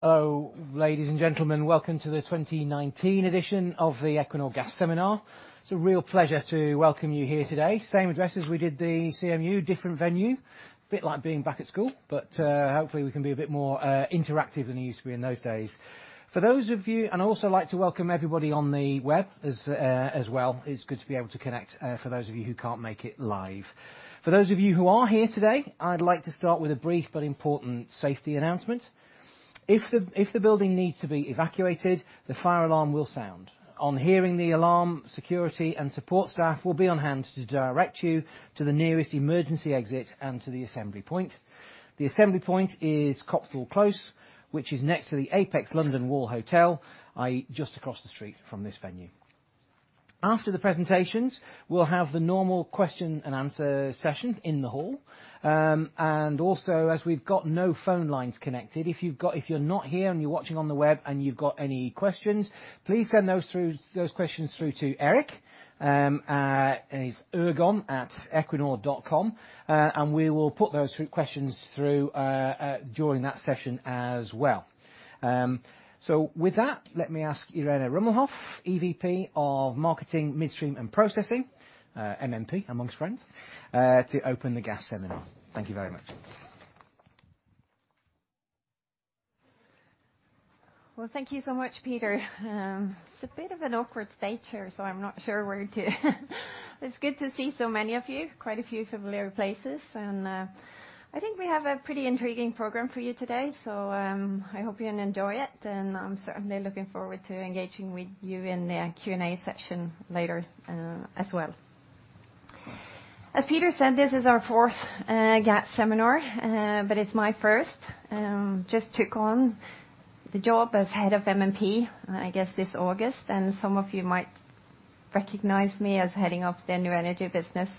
Hello, ladies and gentlemen. Welcome to the 2019 edition of the Equinor gas seminar. It's a real pleasure to welcome you here today. Same address as we did the CMD, different venue. Bit like being back at school, but hopefully we can be a bit more interactive than you used to be in those days. For those of you I'd also like to welcome everybody on the web as well. It's good to be able to connect for those of you who can't make it live. For those of you who are here today, I'd like to start with a brief but important safety announcement. If the building needs to be evacuated, the fire alarm will sound. On hearing the alarm, security and support staff will be on hand to direct you to the nearest emergency exit and to the assembly point. The assembly point is Copthall Close, which is next to the Apex London Wall Hotel, i.e., just across the street from this venue. After the presentations, we'll have the normal question-and-answer session in the hall. Also, as we've got no phone lines connected, if you're not here and you're watching on the web and you've got any questions, please send those questions through to Eirik at irpost@equinor.com. We will put those questions through during that session as well. With that, let me ask Irene Rummelhoff, EVP of Marketing, Midstream & Processing, MMP amongst friends, to open the gas seminar. Thank you very much. Well, thank you so much, Peter. This bit is an awkward stage here, so I'm not sure where to, it's good to see so many of you, quite a few familiar faces, and I think we have a pretty intriguing program for you today, so I hope you enjoy it. I'm certainly looking forward to engaging with you in the Q&A session later, as well. As Peter said, this is our fourth gas seminar, but it's my first. Just took on the job as head of MMP, I guess this August, and some of you might recognize me as heading up the new energy business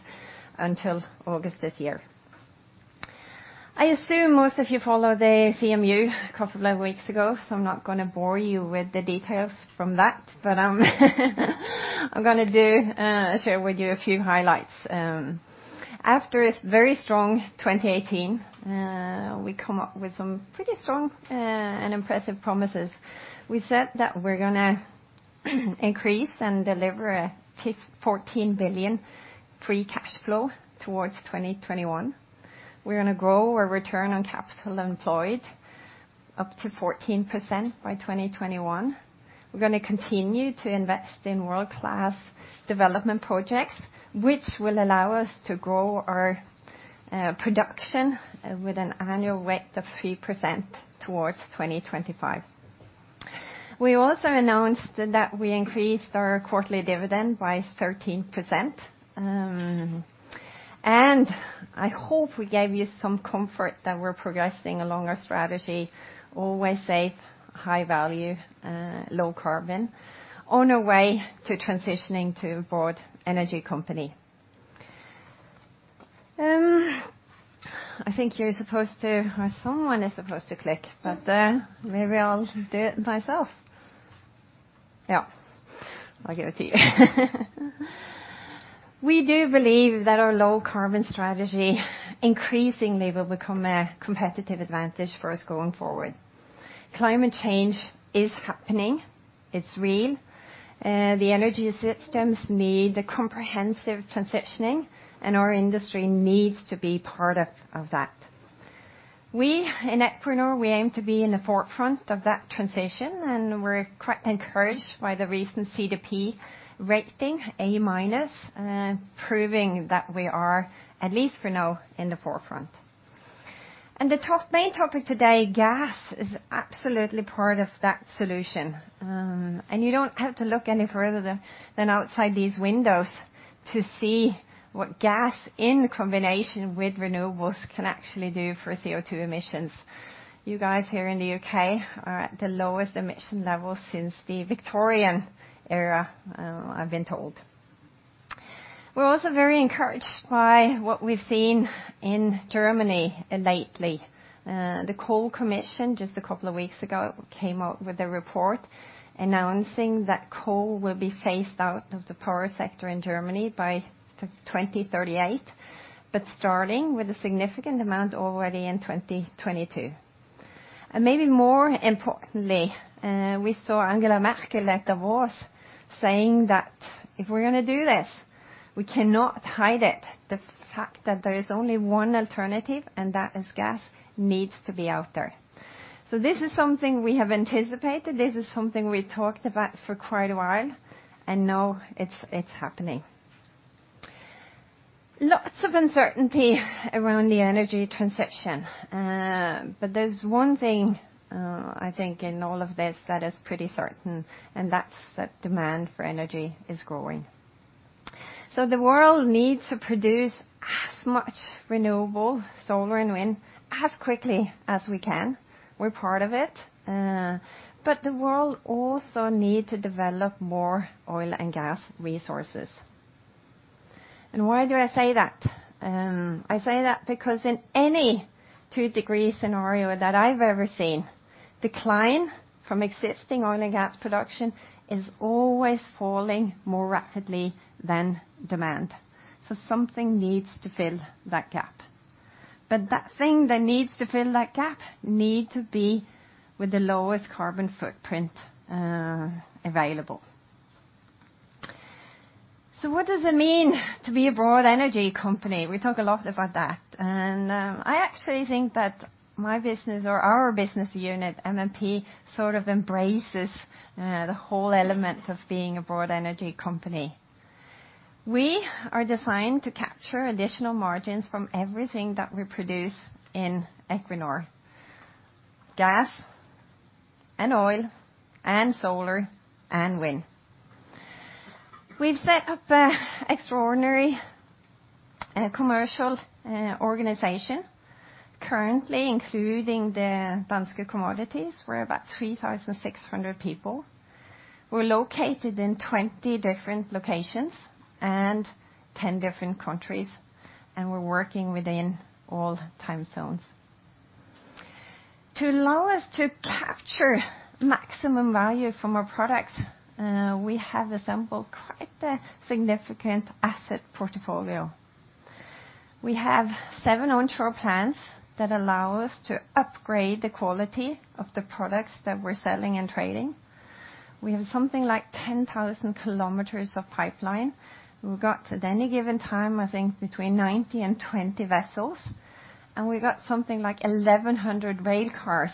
until August this year. I assume most of you follow the CMU a couple of weeks ago, so I'm not gonna bore you with the details from that, but I'm gonna do share with you a few highlights. After a very strong 2018, we come up with some pretty strong and impressive promises. We said that we're gonna increase and deliver a $14 billion free cash flow towards 2021. We're gonna grow our return on capital employed up to 14% by 2021. We're gonna continue to invest in world-class development projects, which will allow us to grow our production with an annual rate of 3% towards 2025. We also announced that we increased our quarterly dividend by 13%. I hope we gave you some comfort that we're progressing along our strategy. Always safe, high value, low carbon, on our way to transitioning to a broad energy company. I think you're supposed to. Or someone is supposed to click, but, maybe I'll do it myself. Yeah, I'll give it to you. We do believe that our low carbon strategy increasingly will become a competitive advantage for us going forward. Climate change is happening. It's real. The energy systems need a comprehensive transitioning, and our industry needs to be part of that. We in Equinor, we aim to be in the forefront of that transition, and we're quite encouraged by the recent CDP rating A-, proving that we are, at least for now, in the forefront. The top main topic today gas is absolutely part of that solution. You don't have to look any further than outside these windows to see what gas in combination with renewables can actually do for CO2 emissions. You guys here in the U.K. are at the lowest emission level since the Victorian era, I've been told. We're also very encouraged by what we've seen in Germany lately. The German Coal Commission just a couple of weeks ago came out with a report announcing that coal will be phased out of the power sector in Germany by 2038, but starting with a significant amount already in 2022. Maybe more importantly, we saw Angela Merkel at Davos saying that if we're gonna do this, we cannot hide it. The fact that there is only one alternative, and that is gas, needs to be out there. This is something we have anticipated. This is something we talked about for quite a while, and now it's happening. Lots of uncertainty around the energy transition. There's one thing I think in all of this that is pretty certain, and that's that demand for energy is growing. The world needs to produce as much renewable solar and wind as quickly as we can. We're part of it. The world also need to develop more oil and gas resources. Why do I say that? I say that because in any two degree scenario that I've ever seen, decline from existing oil and gas production is always falling more rapidly than demand. Something needs to fill that gap. That thing that needs to fill that gap need to be with the lowest carbon footprint available. What does it mean to be a broad energy company? We talk a lot about that. I actually think that my business or our business unit, MMP, sort of embraces the whole element of being a broad energy company. We are designed to capture additional margins from everything that we produce in Equinor, gas and oil and solar and wind. We've set up an extraordinary commercial organization currently including the Danske Commodities. We're about 3,600 people. We're located in 20 different locations and 10 different countries, and we're working within all time zones. To allow us to capture maximum value from our products, we have assembled quite a significant asset portfolio. We have seven onshore plants that allow us to upgrade the quality of the products that we're selling and trading. We have something like 10,000 kilometers of pipeline. We've got at any given time, I think between 20 and 90 vessels, and we've got something like 1,100 rail cars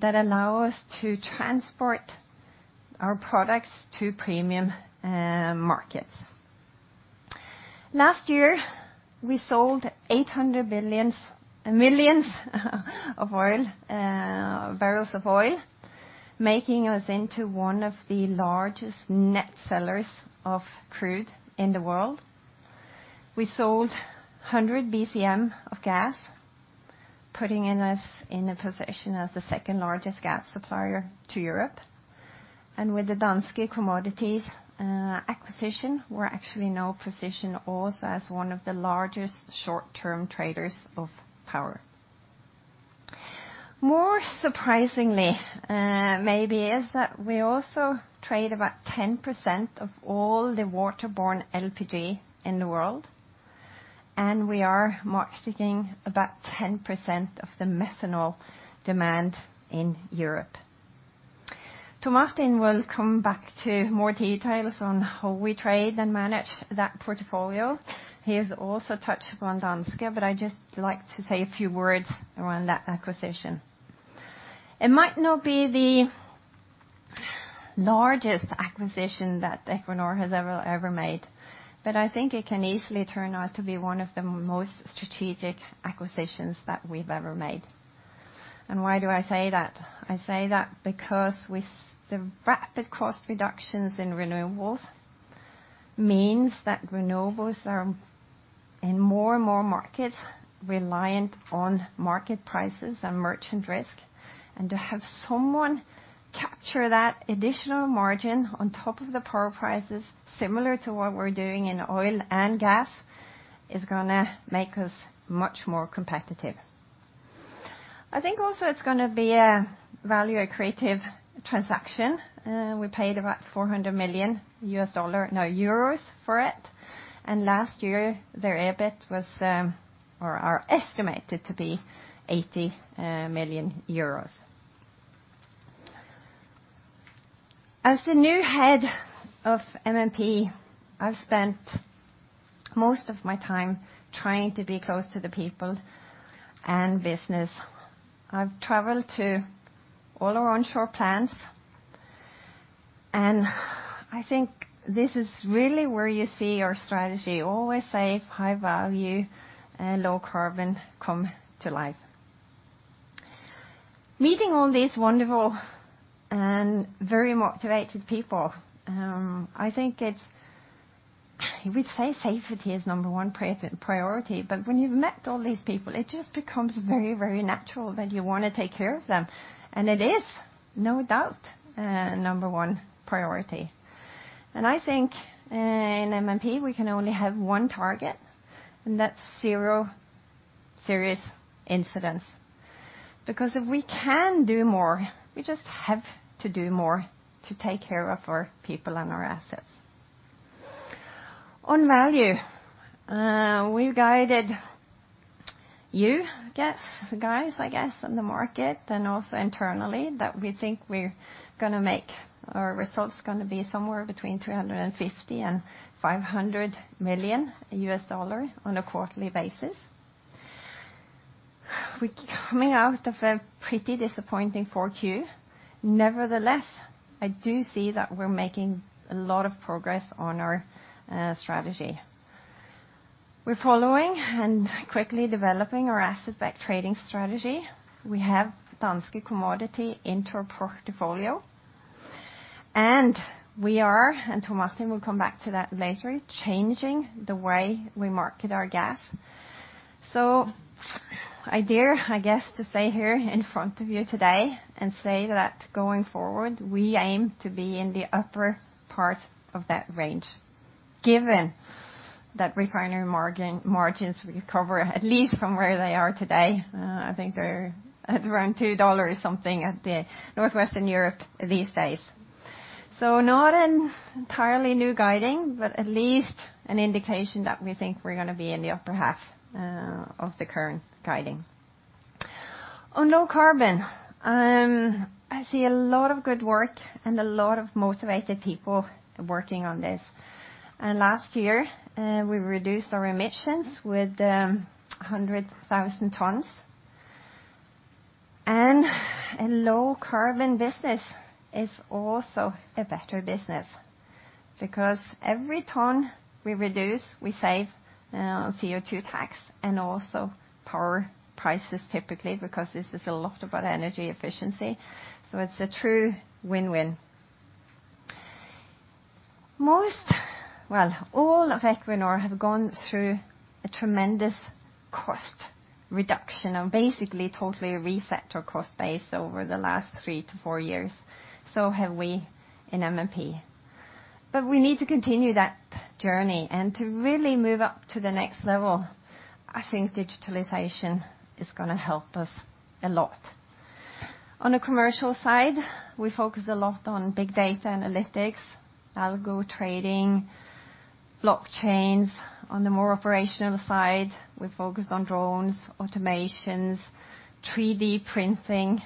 that allow us to transport our products to premium markets. Last year, we sold 800 million barrels of oil, making us one of the largest net sellers of crude in the world. We sold 100 BCM of gas, putting us in a position as the second-largest gas supplier to Europe. With the Danske Commodities acquisition, we're actually now positioned also as one of the largest short-term traders of power. More surprisingly, maybe, is that we also trade about 10% of all the water-borne LPG in the world, and we are marketing about 10% of the methanol demand in Europe. Martin will come back to more details on how we trade and manage that portfolio. He has also touched upon Danske, but I'd just like to say a few words around that acquisition. It might not be the largest acquisition that Equinor has ever made, but I think it can easily turn out to be one of the most strategic acquisitions that we've ever made. Why do I say that? I say that because with the rapid cost reductions in renewables means that renewables are in more and more markets reliant on market prices and merchant risk. To have someone capture that additional margin on top of the power prices, similar to what we're doing in oil and gas, is gonna make us much more competitive. I think also it's gonna be a value-accretive transaction. We paid about $400 million, no, EUR 400 million for it. Last year, their EBIT was or are estimated to be 80 million euros. As the new head of MMP, I've spent most of my time trying to be close to the people and business. I've traveled to all our onshore plants, and I think this is really where you see our strategy always safe, high value, low carbon come to life. Meeting all these wonderful and very motivated people, I think it's. We'd say safety is number-one priority, but when you've met all these people, it just becomes very, very natural that you wanna take care of them. It is no doubt number-one priority. I think in MMP, we can only have one target, and that's zero serious incidents. Because if we can do more, we just have to do more to take care of our people and our assets. On value, we guided you, guys, I guess, on the market and also internally that we think our results gonna be somewhere between $350 million and $500 million on a quarterly basis. We're coming out of a pretty disappointing 4Q. Nevertheless, I do see that we're making a lot of progress on our strategy. We're following and quickly developing our asset-backed trading strategy. We have Danske Commodities into our portfolio, and so Martin will come back to that later, changing the way we market our gas. I dare, I guess, to stay here in front of you today and say that going forward, we aim to be in the upper part of that range given that refinery margins recover at least from where they are today. I think they're at around $2 something at the Northwestern Europe these days. Not an entirely new guidance, but at least an indication that we think we're gonna be in the upper half of the current guidance. On low carbon, I see a lot of good work and a lot of motivated people working on this. Last year, we reduced our emissions with 100,000 tons. A low-carbon business is also a better business because every ton we reduce, we save CO2 tax and also power prices typically because this is a lot about energy efficiency, so it's a true win-win. Most, well, all of Equinor have gone through a tremendous cost reduction of basically totally reset our cost base over the last three-four years, so have we in MMP. We need to continue that journey and to really move up to the next level. I think digitalization is gonna help us a lot. On the commercial side, we focus a lot on big data analytics, algo trading, blockchains. On the more operational side, we're focused on drones, automations, 3D printing.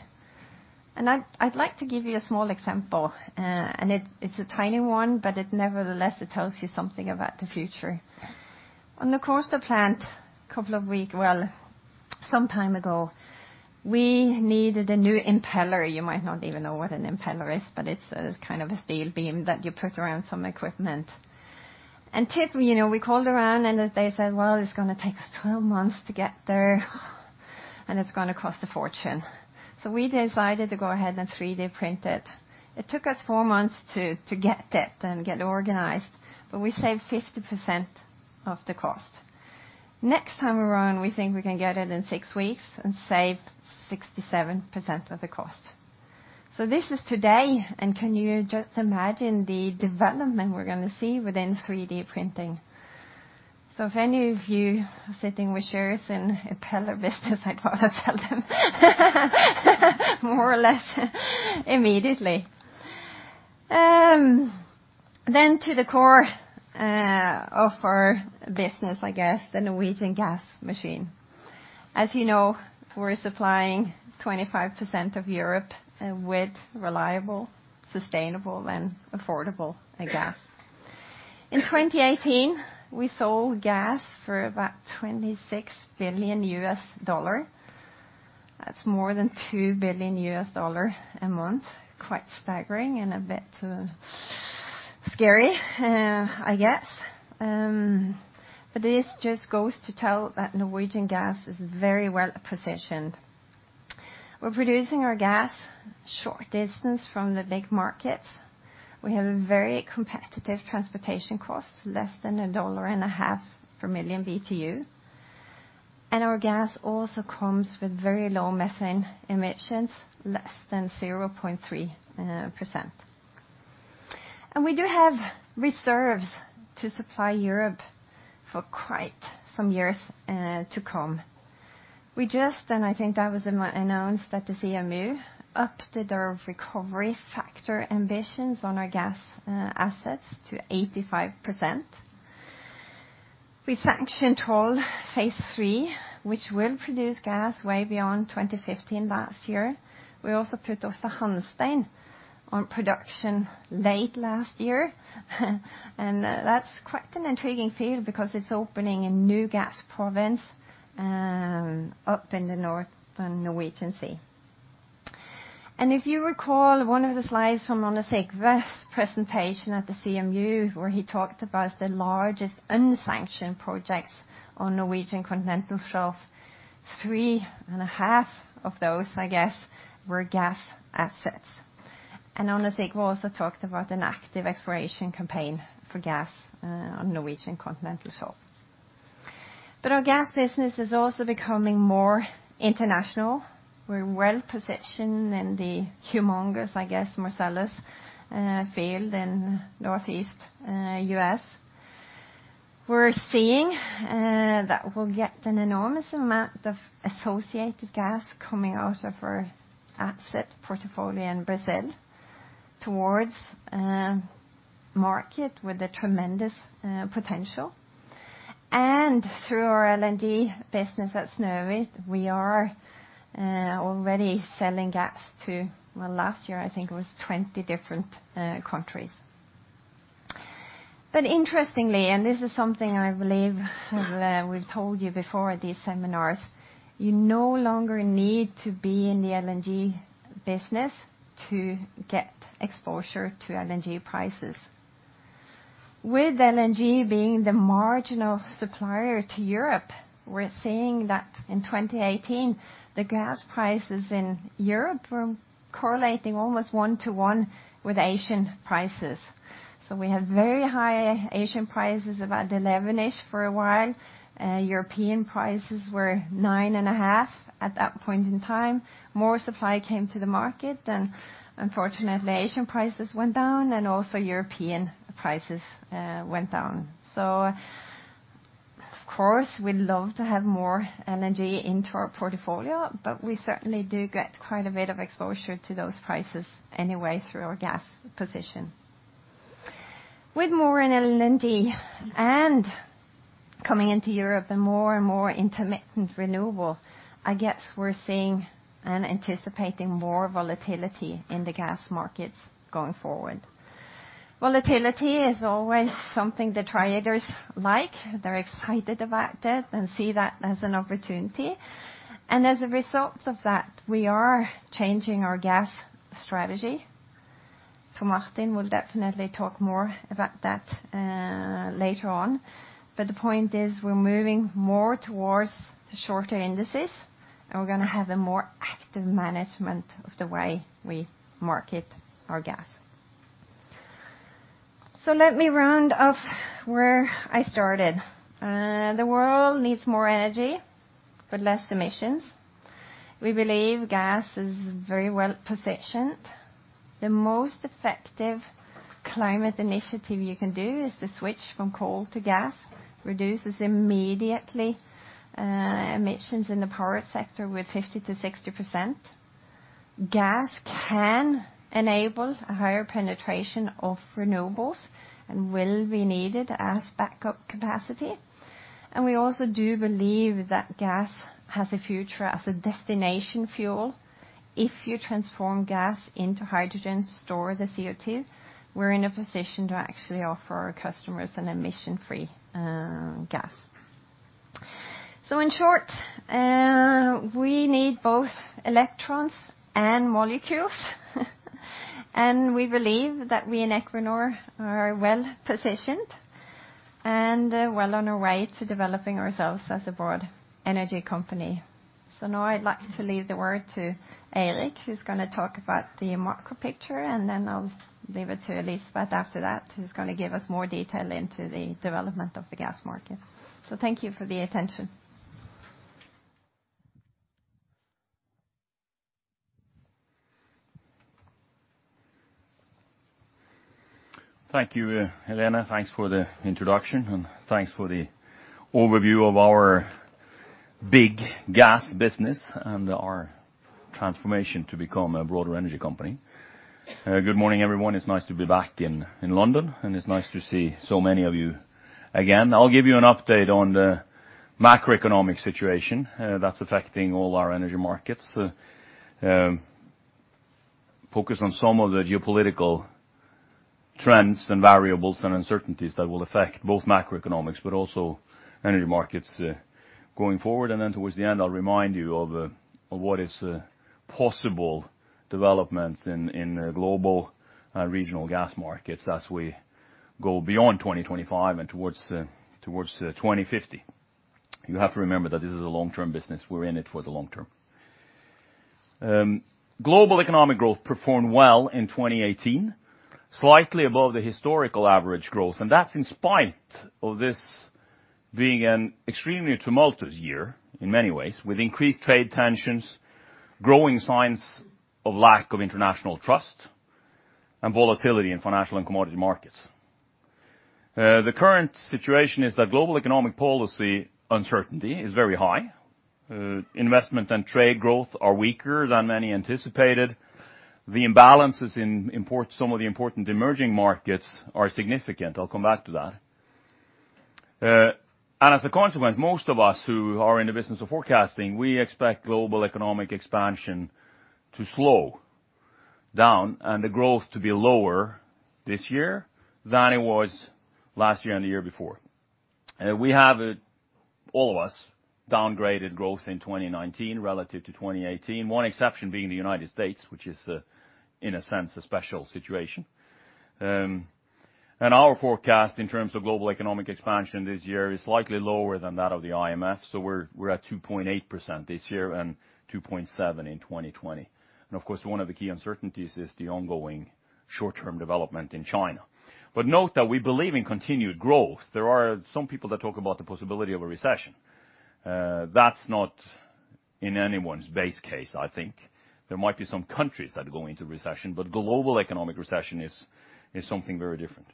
I'd like to give you a small example. It's a tiny one, but it nevertheless tells you something about the future. On the Kårstø plant, well, some time ago, we needed a new impeller. You might not even know what an impeller is, but it's a kind of a steel beam that you put around some equipment. You know, we called around and as they said, "Well, it's gonna take us 12 months to get there, and it's gonna cost a fortune." We decided to go ahead and 3D print it. It took us four months to get it and get organized, but we saved 50% of the cost. Next time around, we think we can get it in six weeks and save 67% of the cost. This is today, and can you just imagine the development we're gonna see within 3D printing? If any of you are sitting with shares in impeller business, I'd rather sell them more or less immediately. To the core of our business, I guess, the Norwegian gas machine. As you know, we're supplying 25% of Europe with reliable, sustainable and affordable gas. In 2018, we sold gas for about $26 billion. That's more than $2 billion a month. Quite staggering and a bit scary, I guess. This just goes to tell that Norwegian gas is very well-positioned. We're producing our gas short distance from the big markets. We have a very competitive transportation cost, less than $1.50 per million BTU, and our gas also comes with very low methane emissions, less than 0.3%. We do have reserves to supply Europe for quite some years to come. I think that was announced at the CMD, upped their recovery factor ambitions on our gas assets to 85%. We sanctioned Troll phase III, which will produce gas way beyond 2015 last year. We also put Aasta Hansteen on production late last year. That's quite an intriguing field because it's opening a new gas province up in the North and Norwegian Sea. If you recall one of the slides from Arne Sigve's presentation at the CMU, where he talked about the largest unsanctioned projects on Norwegian Continental Shelf, 3.5 of those, I guess, were gas assets. Arne Sigve Nylund also talked about an active exploration campaign for gas on Norwegian Continental Shelf. Our gas business is also becoming more international. We're well-positioned in the humongous, I guess, Marcellus field in Northeast U.S. We're seeing that we'll get an enormous amount of associated gas coming out of our asset portfolio in Brazil towards a market with a tremendous potential. Through our LNG business at Snøhvit, we are already selling gas to Well, last year, I think it was 20 different countries. Interestingly, and this is something I believe we've told you before at these seminars, you no longer need to be in the LNG business to get exposure to LNG prices. With LNG being the marginal supplier to Europe, we're seeing that in 2018, the gas prices in Europe were correlating almost one-to-one with Asian prices. We had very high Asian prices, about 11-ish for a while. European prices were 9.5 at that point in time. More supply came to the market, and unfortunately, Asian prices went down and also European prices went down. Of course, we'd love to have more energy into our portfolio, but we certainly do get quite a bit of exposure to those prices anyway through our gas position. With more LNG coming into Europe and more and more intermittent renewables, I guess we're seeing and anticipating more volatility in the gas markets going forward. Volatility is always something the traders like. They're excited about it and see that as an opportunity. As a result of that, we are changing our gas strategy. Martin will definitely talk more about that later on. The point is we're moving more towards the shorter indices, and we're gonna have a more active management of the way we market our gas. Let me round off where I started. The world needs more energy but less emissions. We believe gas is very well-positioned. The most effective climate initiative you can do is to switch from coal to gas, reduces immediately emissions in the power sector with 50%-60%. Gas can enable a higher penetration of renewables and will be needed as backup capacity. We also do believe that gas has a future as a destination fuel. If you transform gas into hydrogen, store the CO2, we're in a position to actually offer our customers an emission-free gas. In short, we need both electrons and molecules. We believe that we in Equinor are well-positioned and well on our way to developing ourselves as a broad energy company. Now I'd like to leave the word to Eirik, who's gonna talk about the macro picture, and then I'll leave it to Elisabeth after that, who's gonna give us more detail into the development of the gas market. Thank you for the attention. Thank you, Irene. Thanks for the introduction, and thanks for the overview of our big gas business and our transformation to become a broader energy company. Good morning, everyone. It's nice to be back in London, and it's nice to see so many of you again. I'll give you an update on the macroeconomic situation that's affecting all our energy markets, focus on some of the geopolitical trends and variables and uncertainties that will affect both macroeconomics but also energy markets going forward. Towards the end, I'll remind you of what is possible developments in the global regional gas markets as we go beyond 2025 and towards 2050. You have to remember that this is a long-term business. We're in it for the long term. Global economic growth performed well in 2018, slightly above the historical average growth, and that's in spite of this being an extremely tumultuous year in many ways with increased trade tensions, growing signs of lack of international trust, and volatility in financial and commodity markets. The current situation is that global economic policy uncertainty is very high. Investment and trade growth are weaker than many anticipated. The imbalances in some of the important emerging markets are significant. I'll come back to that. As a consequence, most of us who are in the business of forecasting expect global economic expansion to slow down and the growth to be lower this year than it was last year and the year before. We have, all of us, downgraded growth in 2019 relative to 2018, one exception being the United States, which is, in a sense, a special situation. Our forecast in terms of global economic expansion this year is slightly lower than that of the IMF. We're at 2.8% this year and 2.7% in 2020. Of course, one of the key uncertainties is the ongoing short-term development in China. Note that we believe in continued growth. There are some people that talk about the possibility of a recession. That's not in anyone's base case, I think. There might be some countries that go into recession, but global economic recession is something very different.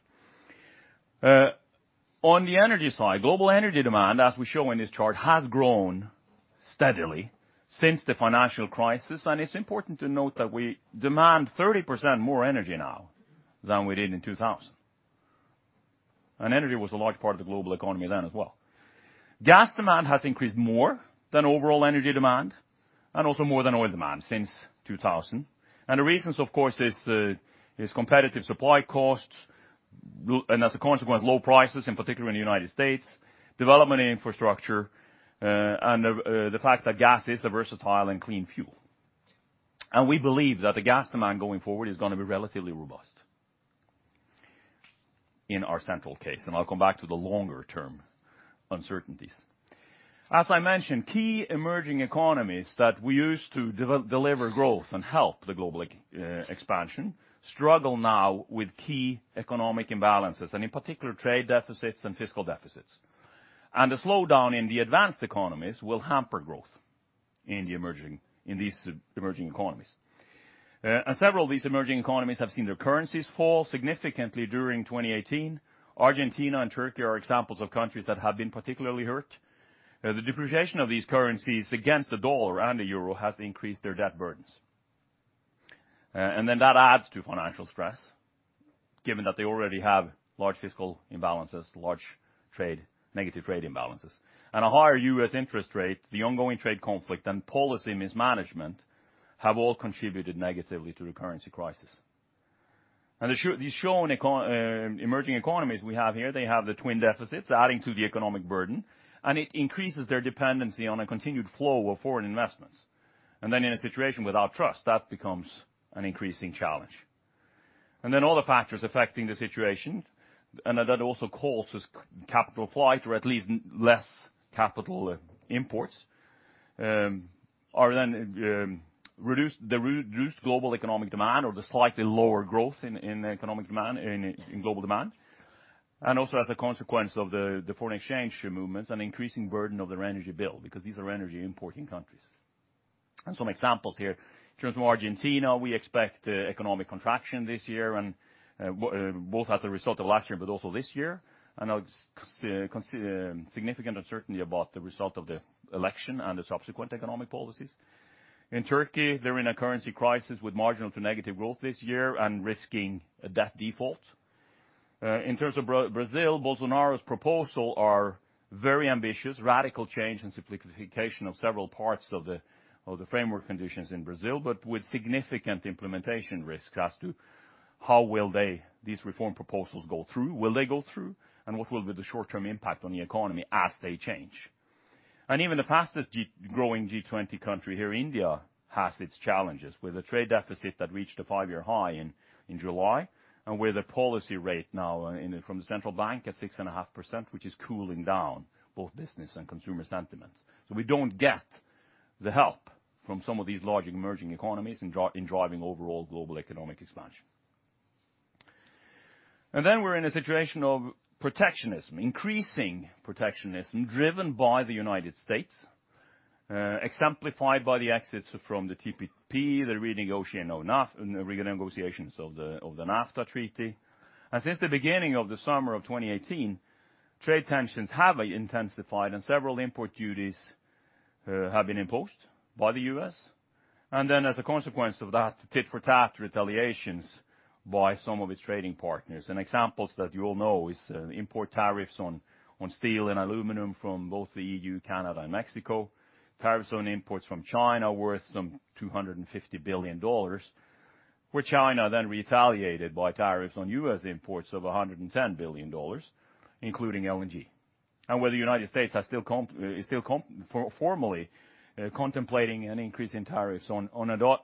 On the energy side, global energy demand, as we show in this chart, has grown steadily since the financial crisis, and it's important to note that we demand 30% more energy now than we did in 2000. Energy was a large part of the global economy then as well. Gas demand has increased more than overall energy demand and also more than oil demand since 2000. The reasons, of course, is competitive supply costs and as a consequence, low prices, in particular in the United States, development in infrastructure, and the fact that gas is a versatile and clean fuel. We believe that the gas demand going forward is gonna be relatively robust in our central case, and I'll come back to the longer-term uncertainties. As I mentioned, key emerging economies that we use to deliver growth and help the global expansion struggle now with key economic imbalances, and in particular, trade deficits and fiscal deficits. The slowdown in the advanced economies will hamper growth in these emerging economies. Several of these emerging economies have seen their currencies fall significantly during 2018. Argentina and Turkey are examples of countries that have been particularly hurt. The depreciation of these currencies against the dollar and the euro has increased their debt burdens. Then that adds to financial stress, given that they already have large fiscal imbalances, large negative trade imbalances. A higher U.S. interest rate, the ongoing trade conflict and policy mismanagement have all contributed negatively to the currency crisis. The so-called emerging economies we have here, they have the twin deficits adding to the economic burden, and it increases their dependency on a continued flow of foreign investments. In a situation without trust, that becomes an increasing challenge. Other factors affecting the situation, and that also causes capital flight or at least less capital imports, are the reduced global economic demand or the slightly lower growth in economic demand, in global demand. As a consequence of the foreign exchange movements and increasing burden of their energy bill, because these are energy importing countries. Some examples here. In terms of Argentina, we expect economic contraction this year and, both as a result of last year, but also this year. There's significant uncertainty about the result of the election and the subsequent economic policies. In Turkey, they're in a currency crisis with marginal to negative growth this year and risking a debt default. In terms of Brazil, Bolsonaro's proposal are very ambitious, radical change and simplification of several parts of the framework conditions in Brazil, but with significant implementation risk as to how these reform proposals will go through, and what will be the short-term impact on the economy as they change. Even the fastest growing G20 country here, India, has its challenges with a trade deficit that reached a five-year high in July, and with a policy rate now from the central bank at 6.5%, which is cooling down both business and consumer sentiments. We don't get the help from some of these large emerging economies in driving overall global economic expansion. We're in a situation of protectionism, increasing protectionism driven by the United States, exemplified by the exits from the TPP, the renegotiations of the NAFTA treaty. Since the beginning of the summer of 2018, trade tensions have intensified and several import duties have been imposed by the U.S. As a consequence of that, tit-for-tat retaliations by some of its trading partners. Examples that you all know is import tariffs on steel and aluminum from both the EU, Canada and Mexico. Tariffs on imports from China worth some $250 billion, where China then retaliated by tariffs on U.S. imports of $110 billion, including LNG. Where the United States is still formally contemplating an increase in tariffs on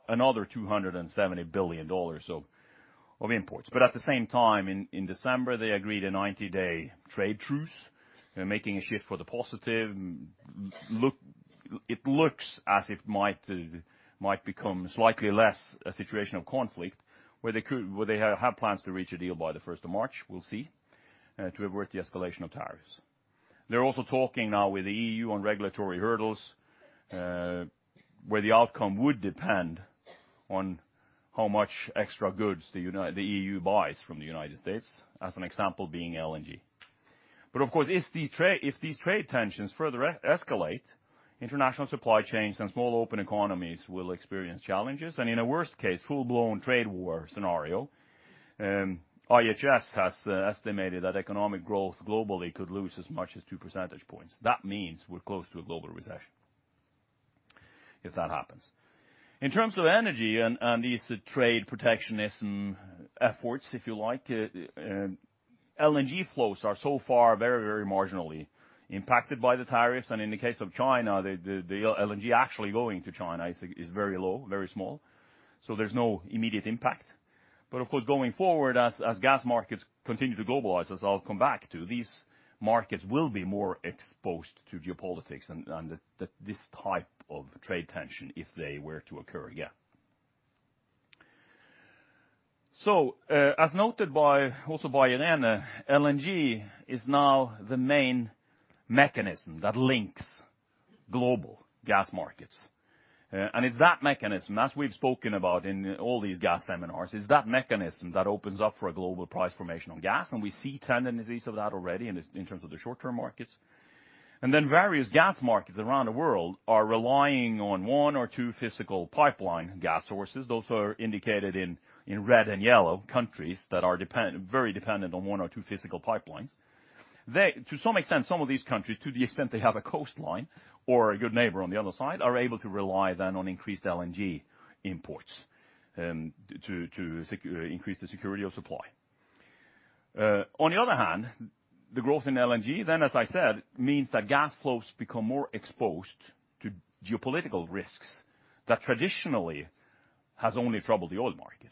another $270 billion of imports. At the same time, in December, they agreed a 90-day trade truce, making a shift for the positive. Look, it looks as if it might become slightly less a situation of conflict, where they have plans to reach a deal by the March 1, we'll see, to avert the escalation of tariffs. They're also talking now with the EU on regulatory hurdles, where the outcome would depend on how much extra goods the EU buys from the United States, as an example being LNG. Of course, if these trade tensions further escalate, international supply chains and small open economies will experience challenges. In a worst-case, full-blown trade war scenario, IHS has estimated that economic growth globally could lose as much as two percentage points. That means we're close to a global recession if that happens. In terms of energy and these trade protectionism efforts, if you like, LNG flows are so far very, very marginally impacted by the tariffs. In the case of China, the LNG actually going to China is very low, very small. There's no immediate impact. But of course, going forward as gas markets continue to globalize, as I'll come back to, these markets will be more exposed to geopolitics and the this type of trade tension if they were to occur again. As noted by, also by Irene, LNG is now the main mechanism that links global gas markets. It's that mechanism, as we've spoken about in all these gas seminars, it's that mechanism that opens up for a global price formation on gas. We see tendencies of that already in terms of the short-term markets. Various gas markets around the world are relying on one or two physical pipeline gas sources. Those are indicated in red and yellow countries that are very dependent on one or two physical pipelines. They, to some extent, some of these countries, to the extent they have a coastline or a good neighbor on the other side, are able to rely then on increased LNG imports, to secure, increase the security of supply. On the other hand, the growth in LNG then, as I said, means that gas flows become more exposed to geopolitical risks that traditionally has only troubled the oil market.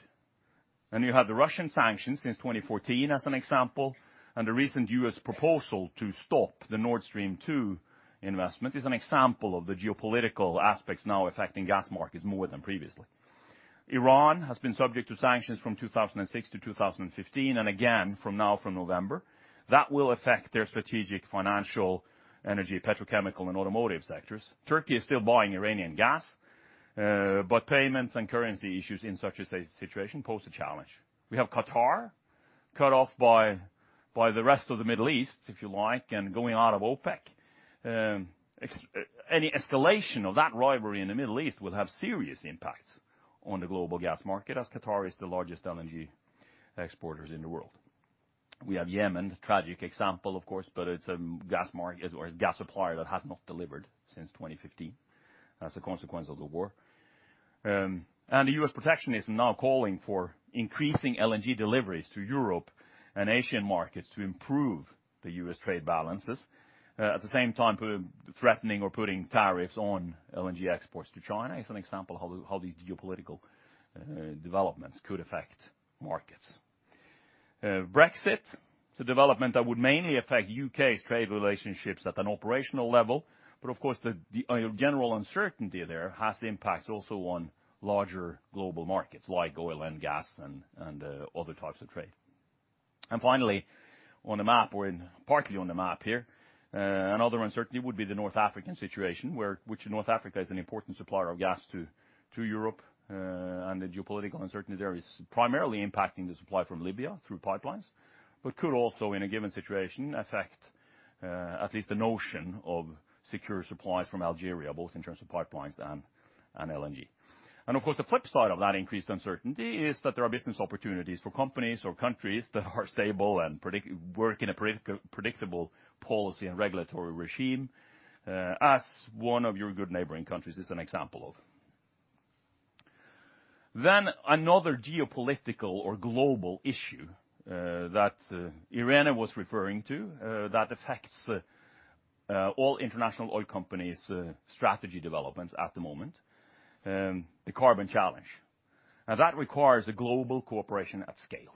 You have the Russian sanctions since 2014 as an example, and the recent U.S. proposal to stop the Nord Stream two investment is an example of the geopolitical aspects now affecting gas markets more than previously. Iran has been subject to sanctions from 2006-2015, and again from now from November. That will affect their strategic financial, energy, petrochemical, and automotive sectors. Turkey is still buying Iranian gas, but payments and currency issues in such a situation pose a challenge. We have Qatar cut off by the rest of the Middle East, if you like, and going out of OPEC. Any escalation of that rivalry in the Middle East will have serious impacts on the global gas market as Qatar is the largest LNG exporters in the world. We have Yemen, tragic example, of course, but it's gas market or a gas supplier that has not delivered since 2015 as a consequence of the war. The U.S. protectionism now calling for increasing LNG deliveries to Europe and Asian markets to improve the U.S. trade balances. At the same time, threatening or putting tariffs on LNG exports to China is an example how the, how these geopolitical developments could affect markets. Brexit, it's a development that would mainly affect U.K.'s trade relationships at an operational level. Of course, the general uncertainty there has impact also on larger global markets like oil and gas and other types of trade. Finally, on the map, we're in partly on the map here, another uncertainty would be the North African situation where North Africa is an important supplier of gas to Europe. The geopolitical uncertainty there is primarily impacting the supply from Libya through pipelines, but could also, in a given situation, affect at least the notion of secure supplies from Algeria, both in terms of pipelines and LNG. Of course, the flip side of that increased uncertainty is that there are business opportunities for companies or countries that are stable and work in a predictable policy and regulatory regime, as one of your good neighboring countries is an example of. Another geopolitical or global issue that Irene Rummelhoff was referring to that affects all international oil companies strategy developments at the moment, the carbon challenge. Now that requires a global cooperation at scale,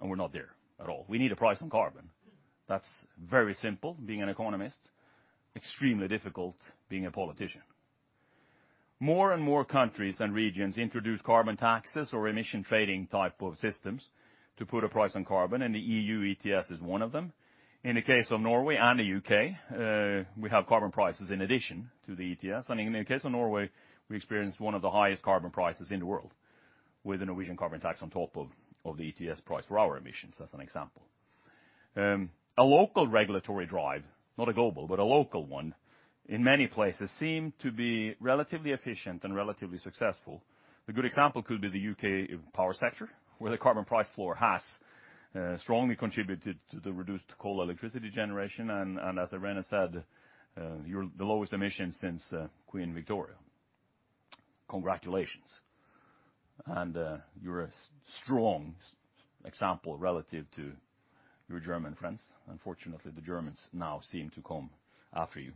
and we're not there at all. We need a price on carbon. That's very simple, being an economist, extremely difficult being a politician. More and more countries and regions introduce carbon taxes or emission trading type of systems to put a price on carbon, and the EU ETS is one of them. In the case of Norway and the U.K., we have carbon prices in addition to the ETS. In the case of Norway, we experience one of the highest carbon prices in the world with a Norwegian carbon tax on top of the ETS price for our emissions, as an example. A local regulatory drive, not a global, but a local one, in many places seem to be relatively efficient and relatively successful. A good example could be the U.K. power sector, where the carbon price floor has strongly contributed to the reduced coal electricity generation. As Irene said, you're the lowest emission since Queen Victoria. Congratulations. You're a strong example relative to your German friends. Unfortunately, the Germans now seem to come after you.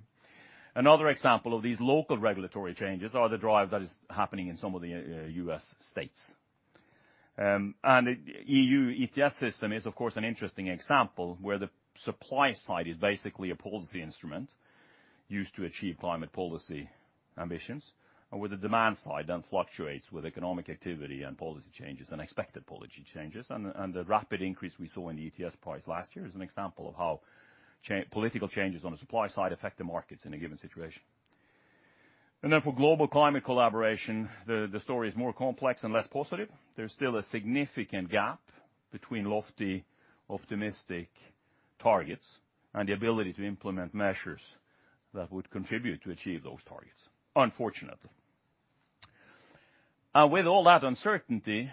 Another example of these local regulatory changes are the drive that is happening in some of the U.S. states. EU ETS system is, of course, an interesting example where the supply side is basically a policy instrument used to achieve climate policy ambitions, and where the demand side then fluctuates with economic activity and policy changes and expected policy changes. The rapid increase we saw in the ETS price last year is an example of how political changes on the supply side affect the markets in a given situation. For global climate collaboration, the story is more complex and less positive. There's still a significant gap between lofty, optimistic targets and the ability to implement measures that would contribute to achieve those targets, unfortunately. With all that uncertainty,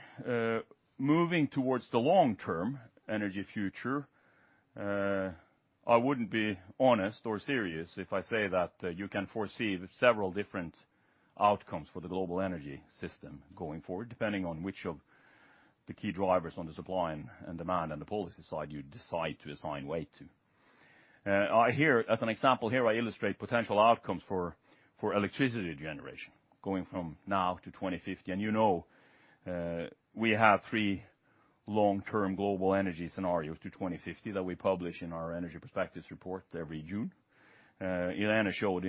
moving towards the long-term energy future, I wouldn't be honest or serious if I say that you can foresee several different outcomes for the global energy system going forward, depending on which of the key drivers on the supply and demand and the policy side you decide to assign weight to. As an example here, I illustrate potential outcomes for electricity generation going from now to 2050. You know, we have three long-term global energy scenarios to 2050 that we publish in our Energy Perspectives report every June. Irene showed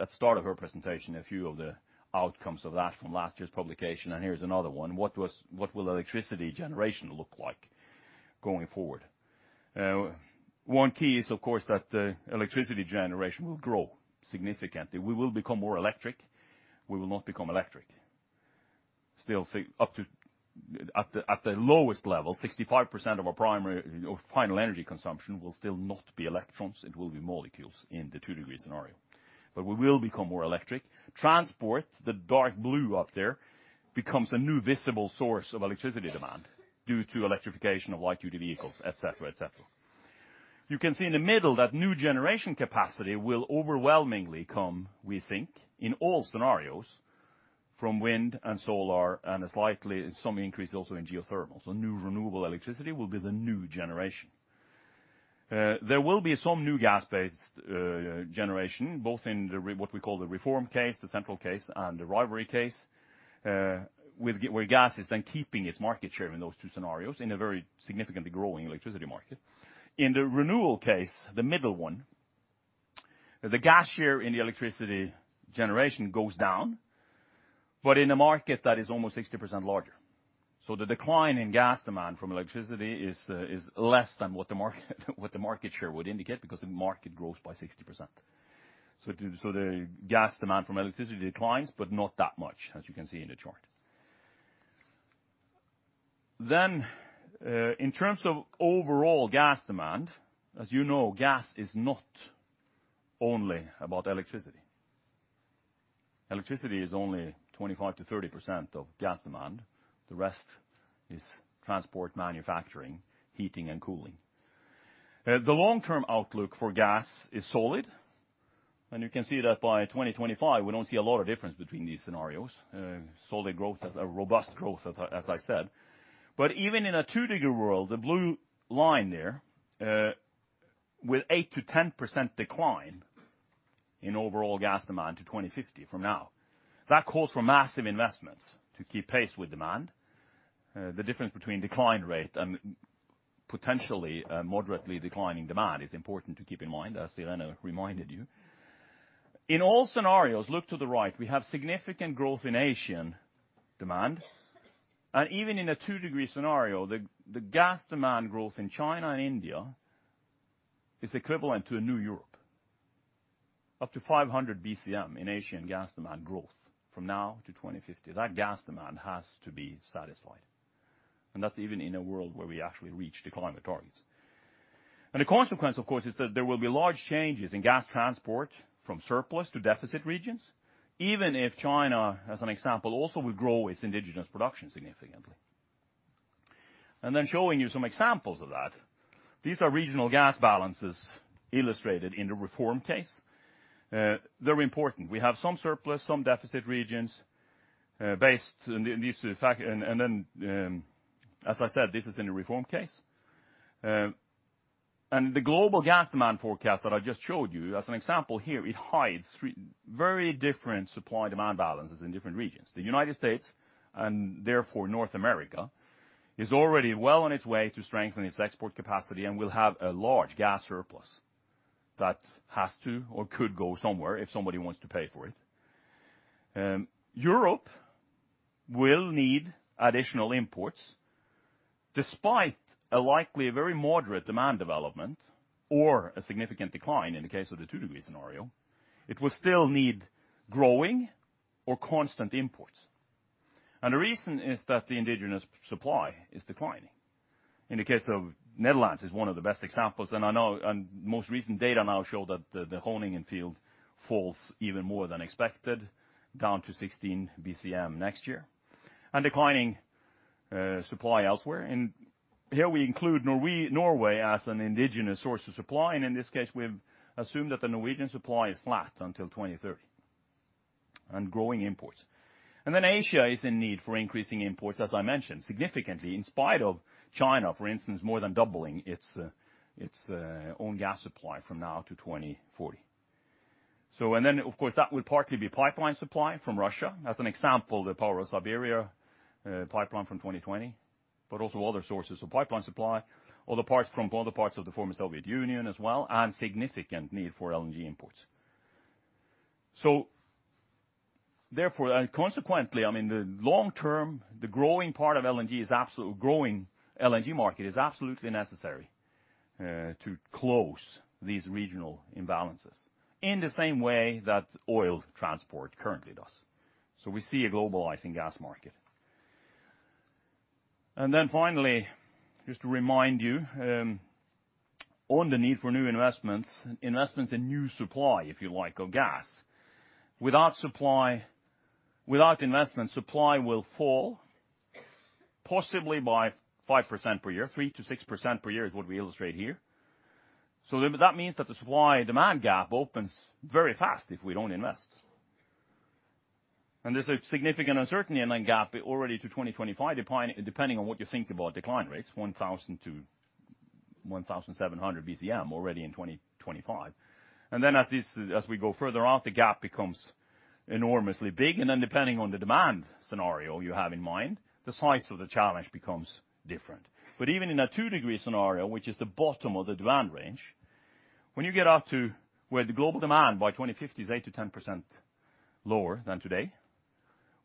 at start of her presentation, a few of the outcomes of that from last year's publication, and here's another one. What will electricity generation look like going forward? One key is, of course, that, electricity generation will grow significantly. We will become more electric. We will not become electric. Still see up to, at the lowest level, 65% of our primary or final energy consumption will still not be electrons. It will be molecules in the two-degree scenario. We will become more electric. Transport, the dark blue up there, becomes a new visible source of electricity demand due to electrification of light-duty vehicles, et cetera, et cetera. You can see in the middle that new generation capacity will overwhelmingly come, we think, in all scenarios from wind and solar and a slightly some increase also in geothermal. New renewable electricity will be the new generation. There will be some new gas-based generation, both in what we call the reform case, the central case, and the rivalry case. With gas where gas is then keeping its market share in those two scenarios in a very significantly growing electricity market. In the renewal case, the middle one. The gas share in the electricity generation goes down, but in a market that is almost 60% larger. The decline in gas demand from electricity is less than what the market share would indicate because the market grows by 60%. The gas demand from electricity declines, but not that much, as you can see in the chart. In terms of overall gas demand, as you know, gas is not only about electricity. Electricity is only 25%-30% of gas demand. The rest is transport, manufacturing, heating and cooling. The long-term outlook for gas is solid, and you can see that by 2025, we don't see a lot of difference between these scenarios. Solid growth has robust growth as I said. Even in a two-degree world, the blue line there, with 8%-10% decline in overall gas demand to 2050 from now, that calls for massive investments to keep pace with demand. The difference between decline rate and potentially, moderately declining demand is important to keep in mind, as Irene Rummelhoff reminded you. In all scenarios, look to the right, we have significant growth in Asian demand. Even in a two-degree scenario, the gas demand growth in China and India is equivalent to a new Europe. Up to 500 BCM in Asian gas demand growth from now to 2050. That gas demand has to be satisfied. That's even in a world where we actually reach the climate targets. The consequence, of course, is that there will be large changes in gas transport from surplus to deficit regions, even if China, as an example, also would grow its indigenous production significantly. Showing you some examples of that, these are regional gas balances illustrated in the reform case. They're important. We have some surplus, some deficit regions. As I said, this is in the reform case. And the global gas demand forecast that I just showed you, as an example here, it hides three very different supply-demand balances in different regions. The United States, and therefore North America, is already well on its way to strengthening its export capacity and will have a large gas surplus that has to or could go somewhere if somebody wants to pay for it. Europe will need additional imports, despite a likely very moderate demand development or a significant decline in the case of the two-degree scenario. It will still need growing or constant imports. The reason is that the indigenous supply is declining. In the case of Netherlands is one of the best examples, and I know, and most recent data now show that the Groningen field falls even more than expected, down to 16 BCM next year, and declining supply elsewhere. Here we include Norway as an indigenous source of supply, and in this case, we've assumed that the Norwegian supply is flat until 2030, and growing imports. Then Asia is in need for increasing imports, as I mentioned, significantly, in spite of China, for instance, more than doubling its own gas supply from now to 2040. Of course, that would partly be pipeline supply from Russia. As an example, the Power of Siberia pipeline from 2020, but also other sources of pipeline supply from other parts of the former Soviet Union as well, and significant need for LNG imports. I mean, the long term, the growing LNG market is absolutely necessary to close these regional imbalances in the same way that oil transport currently does. We see a globalizing gas market. Finally, just to remind you, on the need for new investments in new supply, if you like of gas. Without supply, without investment, supply will fall possibly by 5% per year, 3%-6% per year is what we illustrate here. That means that the supply-demand gap opens very fast if we don't invest. There's a significant uncertainty in that gap already to 2025, depending on what you think about decline rates, 1,000-1,700 BCM already in 2025. Then as this, as we go further out, the gap becomes enormously big. Then depending on the demand scenario you have in mind, the size of the challenge becomes different. Even in a two-degree scenario, which is the bottom of the demand range, when you get up to where the global demand by 2050 is 8%-10% lower than today,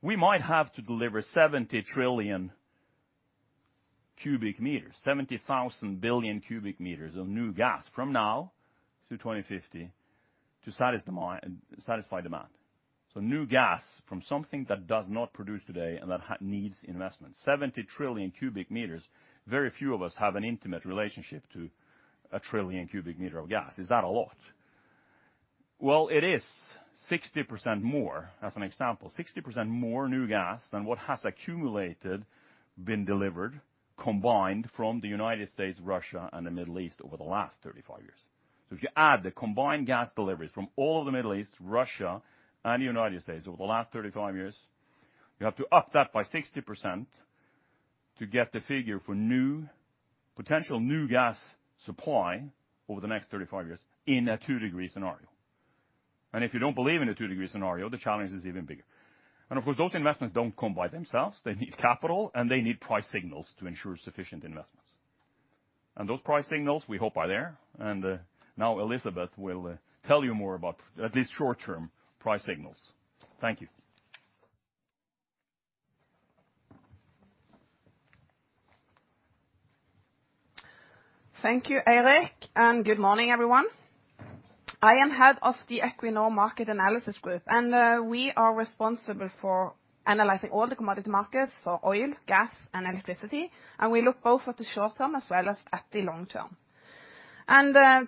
we might have to deliver 70 trillion cubic meters, 70,000 billion cubic meters of new gas from now to 2050 to satisfy demand. New gas from something that does not produce today and that needs investment. 70 trillion cubic meters, very few of us have an intimate relationship to a trillion cubic meter of gas. Is that a lot? Well, it is 60% more. As an example, 60% more new gas than what has accumulated, been delivered, combined from the United States, Russia, and the Middle East over the last 35 years. If you add the combined gas deliveries from all of the Middle East, Russia, and United States over the last 35 years, you have to up that by 60% to get the figure for new, potential new gas supply over the next 35 years in a two-degree scenario. If you don't believe in a two-degree scenario, the challenge is even bigger. Of course, those investments don't come by themselves. They need capital, and they need price signals to ensure sufficient investments. Those price signals we hope are there. Now Elisabeth will tell you more about at least short-term price signals. Thank you. Thank you, Eirik, and good morning everyone. I am head of the Equinor Market Analysis Group, and we are responsible for analyzing all the commodity markets for oil, gas, and electricity, and we look both at the short-term as well as at the long-term.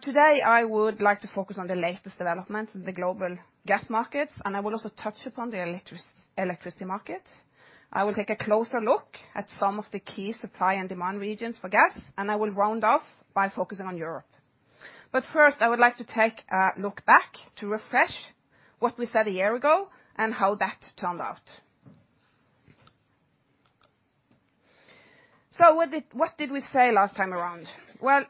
Today, I would like to focus on the latest developments in the global gas markets, and I will also touch upon the electricity market. I will take a closer look at some of the key supply and demand regions for gas, and I will round off by focusing on Europe. First, I would like to take a look back to refresh what we said a year ago and how that turned out. What did we say last time around? Well,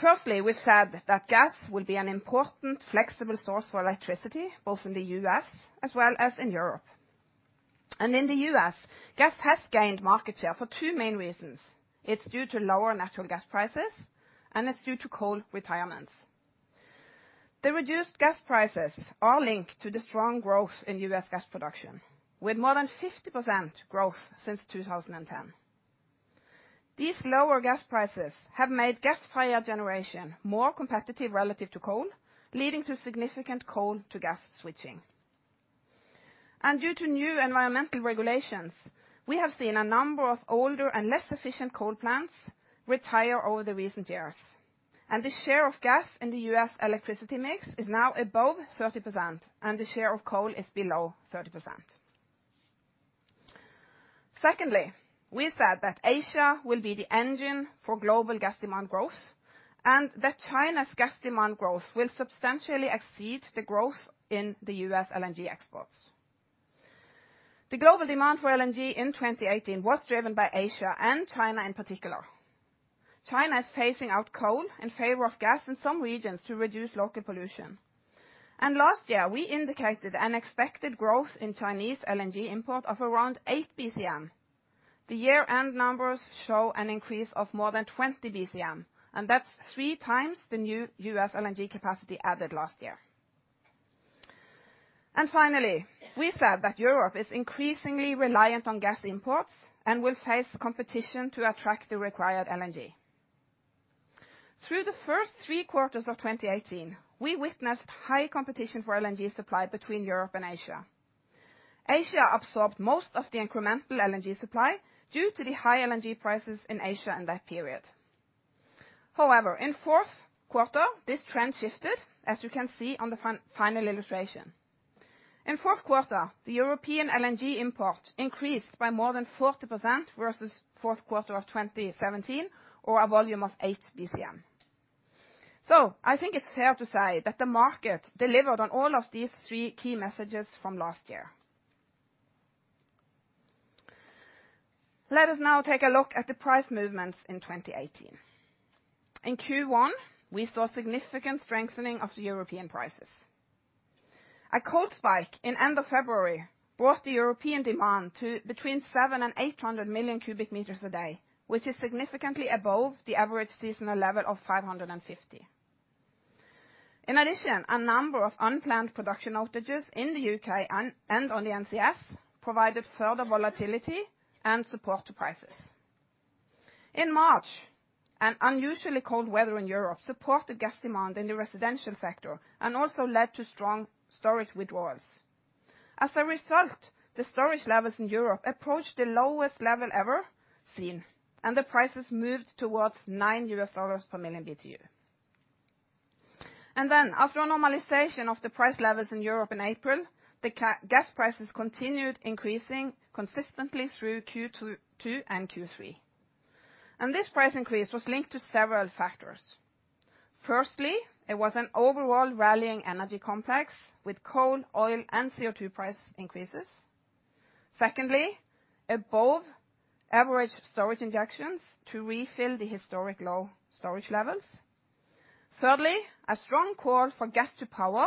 firstly, we said that gas will be an important flexible source for electricity, both in the U.S. as well as in Europe. In the U.S., gas has gained market share for two main reasons. It's due to lower natural gas prices, and it's due to coal retirements. The reduced gas prices are linked to the strong growth in U.S. gas production, with more than 50% growth since 2010. These lower gas prices have made gas-fired generation more competitive relative to coal, leading to significant coal-to-gas switching. Due to new environmental regulations, we have seen a number of older and less efficient coal plants retire over the recent years. The share of gas in the U.S. electricity mix is now above 30%, and the share of coal is below 30%. Secondly, we said that Asia will be the engine for global gas demand growth, and that China's gas demand growth will substantially exceed the growth in the U.S. LNG exports. The global demand for LNG in 2018 was driven by Asia and China in particular. China is phasing out coal in favor of gas in some regions to reduce local pollution. Last year, we indicated an expected growth in Chinese LNG import of around eight bcm. The year-end numbers show an increase of more than 20 bcm, and that's three times the new U.S. LNG capacity added last year. Finally, we said that Europe is increasingly reliant on gas imports and will face competition to attract the required LNG. Through the first three quarters of 2018, we witnessed high competition for LNG supply between Europe and Asia. Asia absorbed most of the incremental LNG supply due to the high LNG prices in Asia in that period. However, in fourth quarter, this trend shifted, as you can see on the final illustration. In fourth quarter, the European LNG import increased by more than 40% versus fourth quarter of 2017 or a volume of 8 bcm. I think it's fair to say that the market delivered on all of these three key messages from last year. Let us now take a look at the price movements in 2018. In Q1, we saw significant strengthening of the European prices. A cold spike in end of February brought the European demand to between 700 and 800 million cubic meters a day, which is significantly above the average seasonal level of 550. In addition, a number of unplanned production outages in the UK and on the NCS provided further volatility and support to prices. In March, an unusually cold weather in Europe supported gas demand in the residential sector and also led to strong storage withdrawals. As a result, the storage levels in Europe approached the lowest level ever seen, and the prices moved towards $9 per million BTU. Then after a normalization of the price levels in Europe in April, the gas prices continued increasing consistently through Q2 and Q3. This price increase was linked to several factors. Firstly, it was an overall rallying energy complex with coal, oil, and CO2 price increases. Secondly, above average storage injections to refill the historic low storage levels. Thirdly, a strong call for gas to power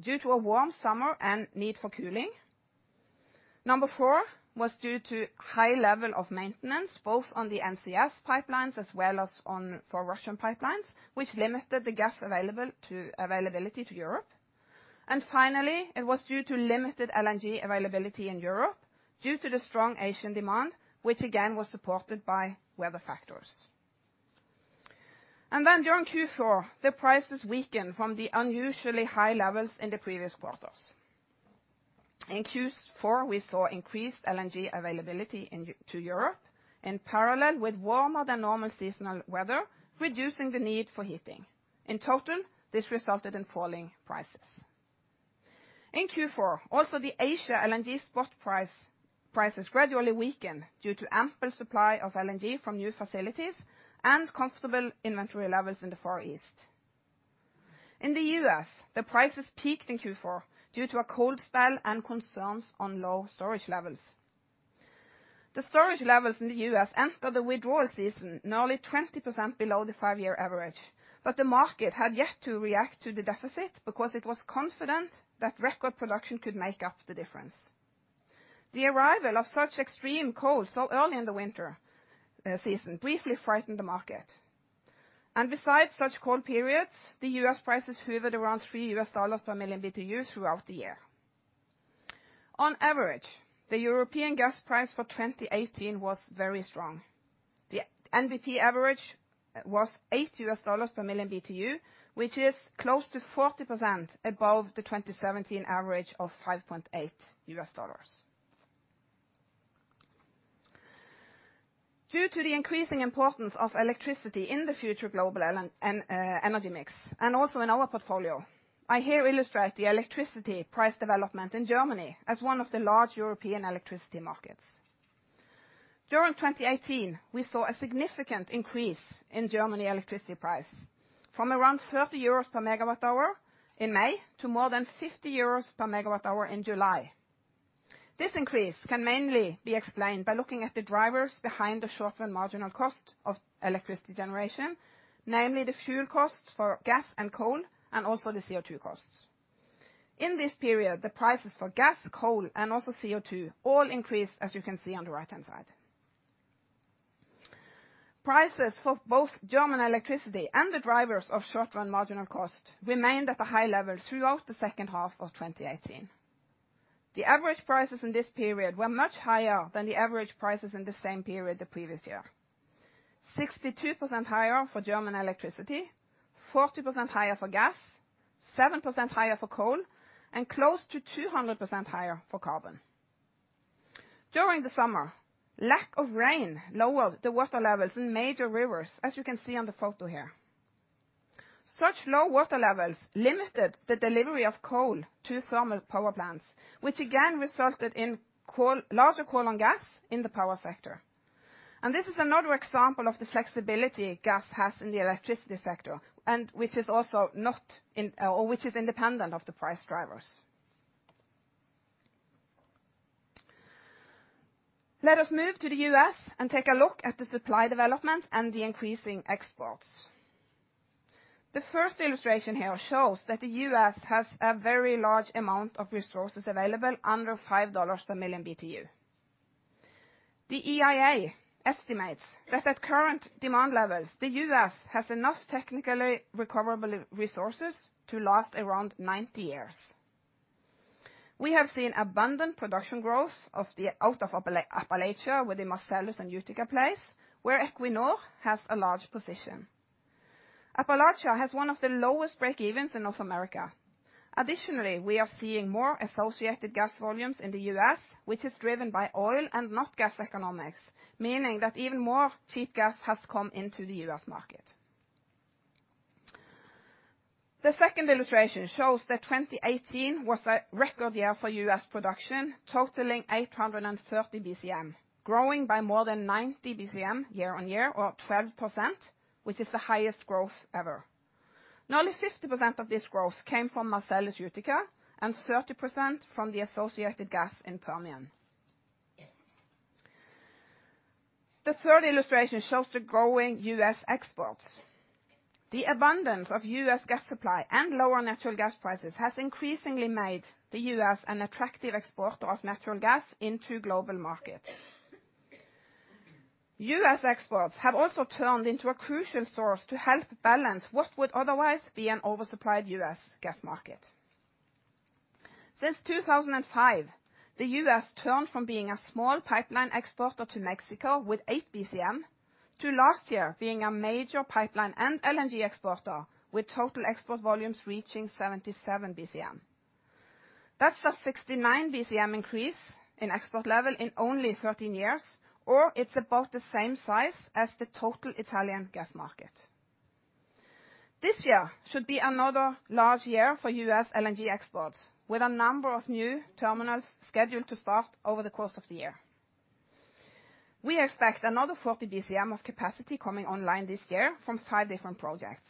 due to a warm summer and need for cooling. Number four was due to a high level of maintenance, both on the NCS pipelines as well as on the Russian pipelines, which limited the gas availability to Europe. Finally, it was due to limited LNG availability in Europe due to the strong Asian demand, which again was supported by weather factors. During Q4, the prices weakened from the unusually high levels in the previous quarters. In Q4, we saw increased LNG availability in Europe in parallel with warmer than normal seasonal weather, reducing the need for heating. In total, this resulted in falling prices. In Q4, also the Asia LNG spot prices gradually weakened due to ample supply of LNG from new facilities and comfortable inventory levels in the Far East. In the U.S., the prices peaked in Q4 due to a cold spell and concerns on low storage levels. The storage levels in the U.S. entered the withdrawal season nearly 20% below the five-year average, but the market had yet to react to the deficit because it was confident that record production could make up the difference. The arrival of such extreme cold so early in the winter season briefly frightened the market. Besides such cold periods, the U.S. prices hovered around $3 per million BTU throughout the year. On average, the European gas price for 2018 was very strong. The NBP average was $8 per million BTU, which is close to 40% above the 2017 average of $5.8. Due to the increasing importance of electricity in the future global energy mix, and also in our portfolio, I here illustrate the electricity price development in Germany as one of the large European electricity markets. During 2018, we saw a significant increase in German electricity price from around 30 euros per MWh in May to more than 50 euros per MWh in July. This increase can mainly be explained by looking at the drivers behind the short-run marginal cost of electricity generation, namely the fuel costs for gas and coal, and also the CO2 costs. In this period, the prices for gas, coal, and also CO2 all increased, as you can see on the right-hand side. Prices for both German electricity and the drivers of short-run marginal cost remained at a high level throughout the H2 of 2018. The average prices in this period were much higher than the average prices in the same period the previous year. 62% higher for German electricity, 40% higher for gas, 7% higher for coal, and close to 200% higher for carbon. During the summer, lack of rain lowered the water levels in major rivers, as you can see on the photo here. Such low water levels limited the delivery of coal to thermal power plants, which again resulted in larger coal and gas in the power sector. This is another example of the flexibility gas has in the electricity sector, and which is also or which is independent of the price drivers. Let us move to the U.S. and take a look at the supply development and the increasing exports. The first illustration here shows that the U.S. has a very large amount of resources available under $5 per million BTU. The EIA estimates that at current demand levels, the U.S. has enough technically recoverable resources to last around 90 years. We have seen abundant production growth out of Appalachia with the Marcellus and Utica plays, where Equinor has a large position. Appalachia has one of the lowest breakevens in North America. Additionally, we are seeing more associated gas volumes in the U.S., which is driven by oil and not gas economics, meaning that even more cheap gas has come into the U.S. market. The second illustration shows that 2018 was a record year for U.S. production, totaling 830 BCM, growing by more than 90 BCM year-on-year, or 12%, which is the highest growth ever. Nearly 50% of this growth came from Marcellus and Utica and 30% from the associated gas in Permian. The third illustration shows the growing U.S. exports. The abundance of U.S. gas supply and lower natural gas prices has increasingly made the U.S. an attractive exporter of natural gas into global markets. U.S. exports have also turned into a crucial source to help balance what would otherwise be an oversupplied U.S. gas market. Since 2005, the U.S. turned from being a small pipeline exporter to Mexico with 8 BCM to last year being a major pipeline and LNG exporter with total export volumes reaching 77 BCM. That's a 69 BCM increase in export level in only 13 years, or it's about the same size as the total Italian gas market. This year should be another large year for U.S. LNG exports, with a number of new terminals scheduled to start over the course of the year. We expect another 40 BCM of capacity coming online this year from 5 different projects.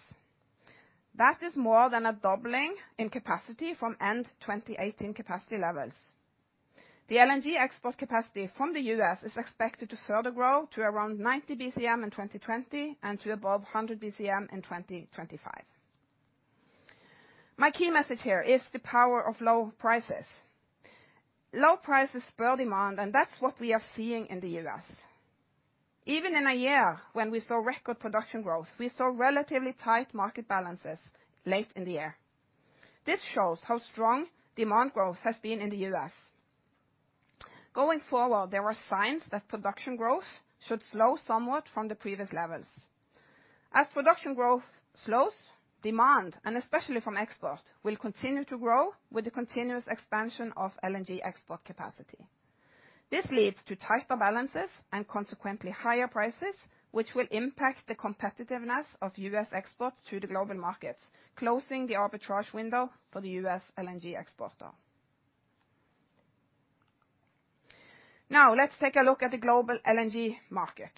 That is more than a doubling in capacity from end 2018 capacity levels. The LNG export capacity from the U.S. is expected to further grow to around 90 BCM in 2020 and to above 100 BCM in 2025. My key message here is the power of low prices. Low prices spur demand, and that's what we are seeing in the U.S. Even in a year when we saw record production growth, we saw relatively tight market balances late in the year. This shows how strong demand growth has been in the U.S. Going forward, there are signs that production growth should slow somewhat from the previous levels. As production growth slows, demand, and especially from export, will continue to grow with the continuous expansion of LNG export capacity. This leads to tighter balances and consequently higher prices, which will impact the competitiveness of U.S. exports to the global markets, closing the arbitrage window for the U.S. LNG exporter. Now let's take a look at the global LNG market.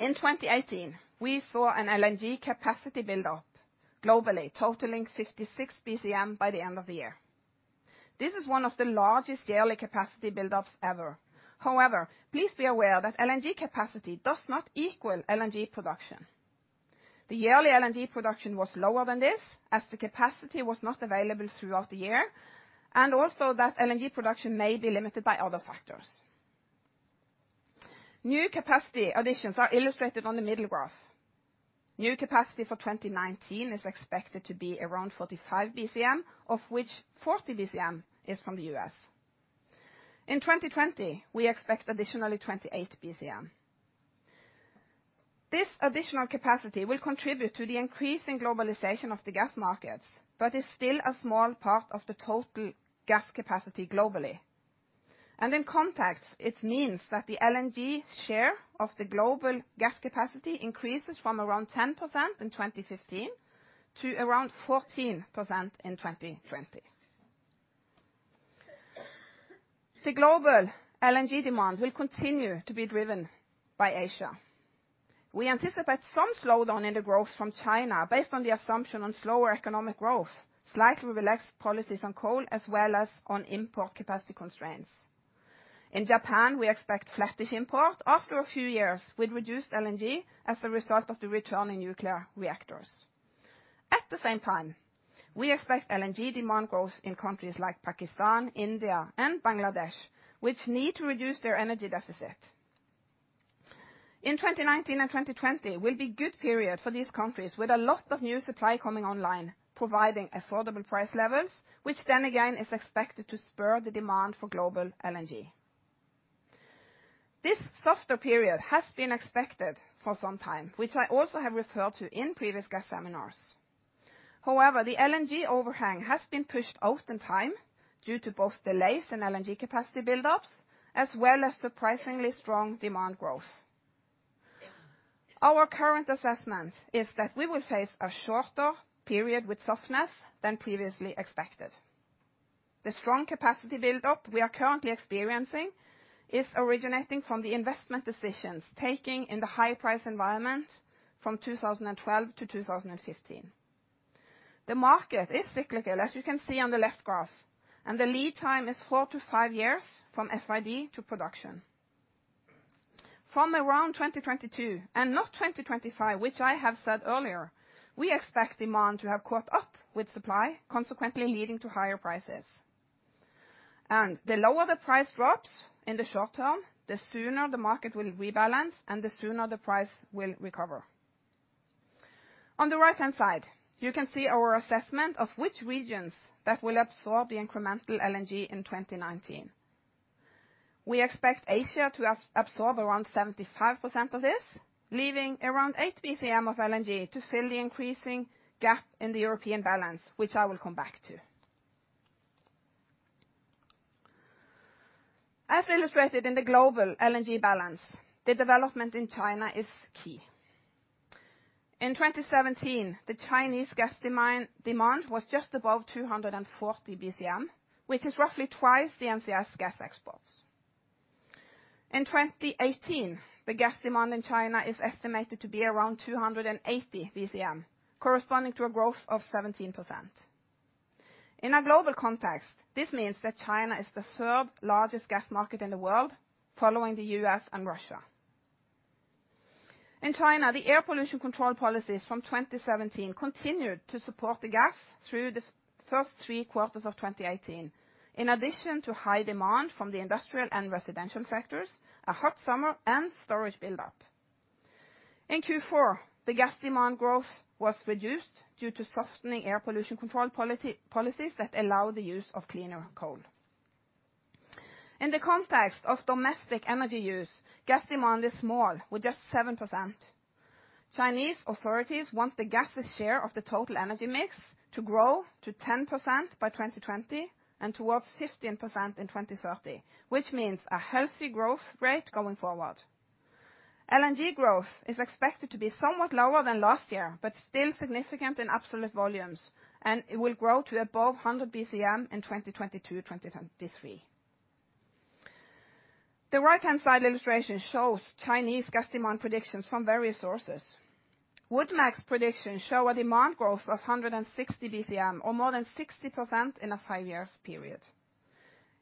In 2018, we saw an LNG capacity build-up globally totaling 56 BCM by the end of the year. This is one of the largest yearly capacity build-ups ever. However, please be aware that LNG capacity does not equal LNG production. The yearly LNG production was lower than this, as the capacity was not available throughout the year, and also that LNG production may be limited by other factors. New capacity additions are illustrated on the middle graph. New capacity for 2019 is expected to be around 45 BCM, of which 40 BCM is from the U.S. In 2020, we expect additionally 28 BCM. This additional capacity will contribute to the increasing globalization of the gas markets, but is still a small part of the total gas capacity globally. In context, it means that the LNG share of the global gas capacity increases from around 10% in 2015 to around 14% in 2020. The global LNG demand will continue to be driven by Asia. We anticipate some slowdown in the growth from China based on the assumption on slower economic growth, slightly relaxed policies on coal, as well as on import capacity constraints. In Japan, we expect flattish import after a few years with reduced LNG as a result of the returning nuclear reactors. At the same time, we expect LNG demand growth in countries like Pakistan, India, and Bangladesh, which need to reduce their energy deficit. In 2019 and 2020 will be good period for these countries with a lot of new supply coming online, providing affordable price levels, which then again is expected to spur the demand for global LNG. This softer period has been expected for some time, which I also have referred to in previous gas seminars. However, the LNG overhang has been pushed out in time due to both delays in LNG capacity build-ups as well as surprisingly strong demand growth. Our current assessment is that we will face a shorter period with softness than previously expected. The strong capacity build-up we are currently experiencing is originating from the investment decisions taking in the high price environment from 2012-2015. The market is cyclical, as you can see on the left graph, and the lead time is four-five years from FID to production. From around 2022, and not 2025, which I have said earlier, we expect demand to have caught up with supply, consequently leading to higher prices. The lower the price drops in the short term, the sooner the market will rebalance and the sooner the price will recover. On the right-hand side, you can see our assessment of which regions that will absorb the incremental LNG in 2019. We expect Asia to absorb around 75% of this, leaving around 8 BCM of LNG to fill the increasing gap in the European balance, which I will come back to. As illustrated in the global LNG balance, the development in China is key. In 2017, the Chinese gas demand was just above 240 BCM, which is roughly twice the NCS gas exports. In 2018, the gas demand in China is estimated to be around 280 BCM, corresponding to a growth of 17%. In a global context, this means that China is the third largest gas market in the world, following the U.S. and Russia. In China, the air pollution control policies from 2017 continued to support the gas through the first three quarters of 2018, in addition to high demand from the industrial and residential sectors, a hot summer, and storage build-up. In Q4, the gas demand growth was reduced due to softening air pollution control policies that allow the use of cleaner coal. In the context of domestic energy use, gas demand is small with just 7%. Chinese authorities want the gas' share of the total energy mix to grow to 10% by 2020 and towards 15% in 2030, which means a healthy growth rate going forward. LNG growth is expected to be somewhat lower than last year, but still significant in absolute volumes, and it will grow to above 100 BCM in 2022, 2023. The right-hand side illustration shows Chinese gas demand predictions from various sources. WoodMac's predictions show a demand growth of 160 BCM or more than 60% in a 5-year period.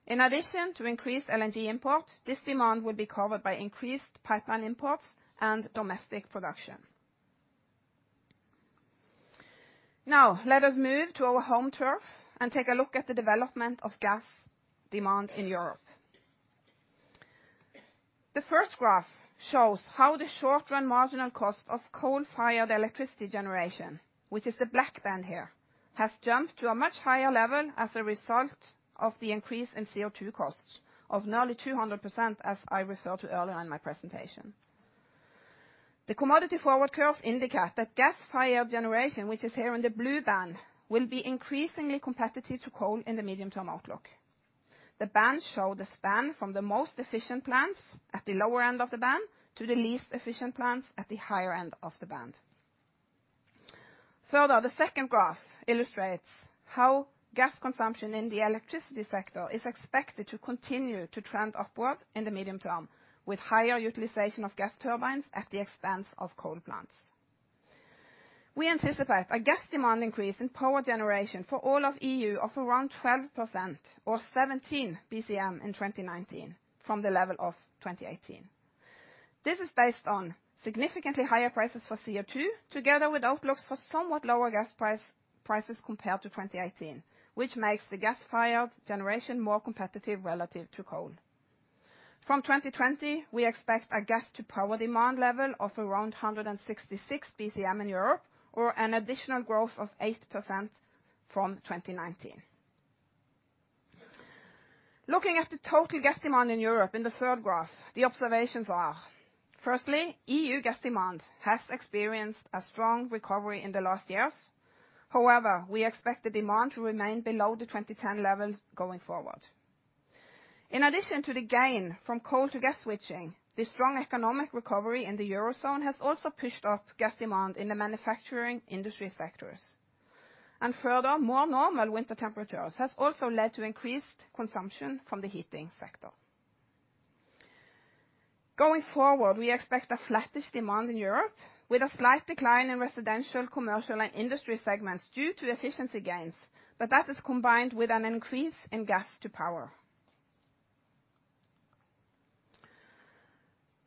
In addition to increased LNG import, this demand will be covered by increased pipeline imports and domestic production. Now, let us move to our home turf and take a look at the development of gas demand in Europe. The first graph shows how the short-run marginal cost of coal-fired electricity generation, which is the black band here, has jumped to a much higher level as a result of the increase in CO2 costs of nearly 200%, as I referred to earlier in my presentation. The commodity forward curves indicate that gas-fired generation, which is here in the blue band, will be increasingly competitive to coal in the medium-term outlook. The bands show the span from the most efficient plants at the lower end of the band to the least efficient plants at the higher end of the band. Further, the second graph illustrates how gas consumption in the electricity sector is expected to continue to trend upward in the medium term with higher utilization of gas turbines at the expense of coal plants. We anticipate a gas demand increase in power generation for all of EU of around 12% or 17 BCM in 2019 from the level of 2018. This is based on significantly higher prices for CO2, together with outlooks for somewhat lower gas prices compared to 2018, which makes the gas-fired generation more competitive relative to coal. From 2020, we expect a gas-to-power demand level of around 166 BCM in Europe, or an additional growth of 8% from 2019. Looking at the total gas demand in Europe in the third graph, the observations are. Firstly, EU gas demand has experienced a strong recovery in the last years. However, we expect the demand to remain below the 2010 levels going forward. In addition to the gain from coal to gas switching, the strong economic recovery in the Eurozone has also pushed up gas demand in the manufacturing industry sectors. Further, more normal winter temperatures has also led to increased consumption from the heating sector. Going forward, we expect a flattish demand in Europe with a slight decline in residential, commercial, and industry segments due to efficiency gains, but that is combined with an increase in gas to power.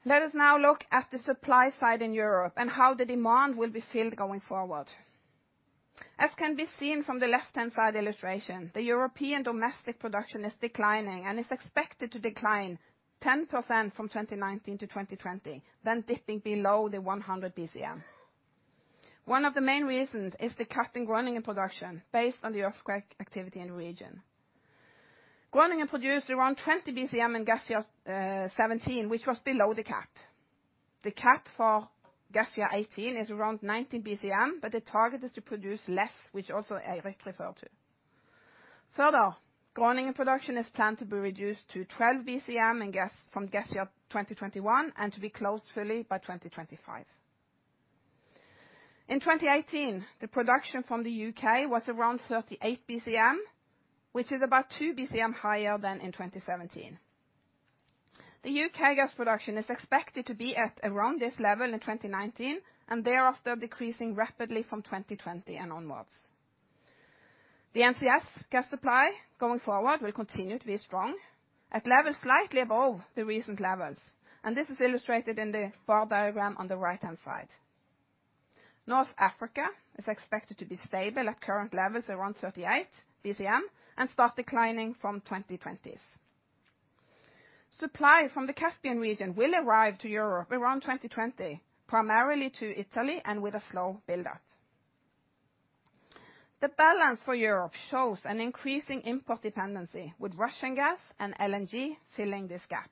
Let us now look at the supply side in Europe and how the demand will be filled going forward. As can be seen from the left-hand side illustration, the European domestic production is declining and is expected to decline 10% from 2019-2020, then dipping below the 100 BCM. One of the main reasons is the cut in Groningen production based on the earthquake activity in the region. Groningen produced around 20 BCM in gas year 2017, which was below the cap. The cap for gas year 2018 is around 19 BCM, but the target is to produce less, which also Eirik referred to. Further, Groningen production is planned to be reduced to 12 BCM in gas from gas year 2021 and to be closed fully by 2025. In 2018, the production from the U.K. was around 38 BCM, which is about 2 BCM higher than in 2017. The U.K. gas production is expected to be at around this level in 2019 and thereafter decreasing rapidly from 2020 and onward. The NCS gas supply going forward will continue to be strong at levels slightly above the recent levels, and this is illustrated in the bar diagram on the right-hand side. North Africa is expected to be stable at current levels around 38 BCM and start declining from 2020s. Supply from the Caspian region will arrive to Europe around 2020, primarily to Italy and with a slow build-up. The balance for Europe shows an increasing import dependency with Russian gas and LNG filling this gap.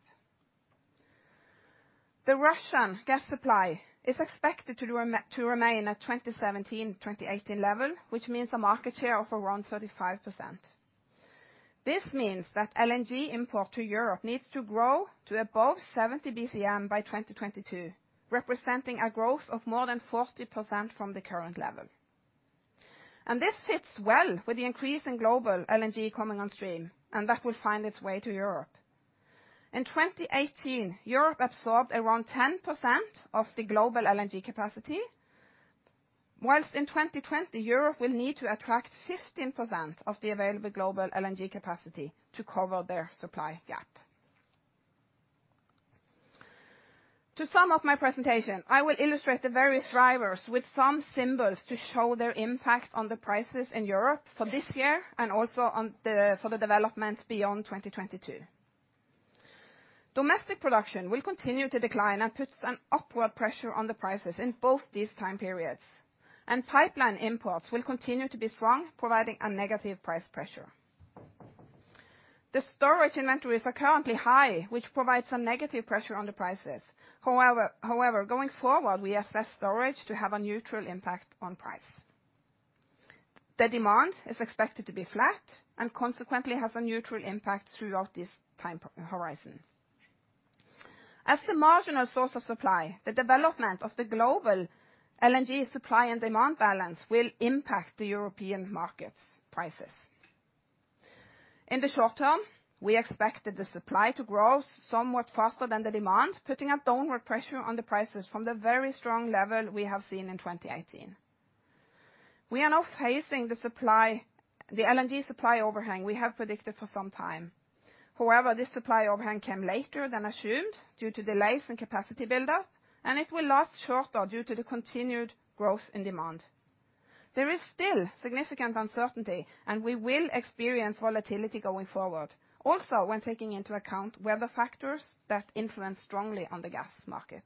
The Russian gas supply is expected to remain at 2017, 2018 level, which means a market share of around 35%. This means that LNG import to Europe needs to grow to above 70 BCM by 2022, representing a growth of more than 40% from the current level. This fits well with the increase in global LNG coming on stream, and that will find its way to Europe. In 2018, Europe absorbed around 10% of the global LNG capacity, while in 2020, Europe will need to attract 15% of the available global LNG capacity to cover their supply gap. To sum up my presentation, I will illustrate the various drivers with some symbols to show their impact on the prices in Europe for this year and also for the developments beyond 2022. Domestic production will continue to decline and puts an upward pressure on the prices in both these time periods. Pipeline imports will continue to be strong, providing a negative price pressure. The storage inventories are currently high, which provides some negative pressure on the prices. However, going forward, we assess storage to have a neutral impact on price. The demand is expected to be flat and consequently have a neutral impact throughout this time horizon. As the marginal source of supply, the development of the global LNG supply and demand balance will impact the European markets prices. In the short term, we expected the supply to grow somewhat faster than the demand, putting a downward pressure on the prices from the very strong level we have seen in 2018. We are now facing the supply, the LNG supply overhang we have predicted for some time. However, this supply overhang came later than assumed due to delays in capacity build-up, and it will last shorter due to the continued growth in demand. There is still significant uncertainty, and we will experience volatility going forward, also when taking into account weather factors that influence strongly on the gas market.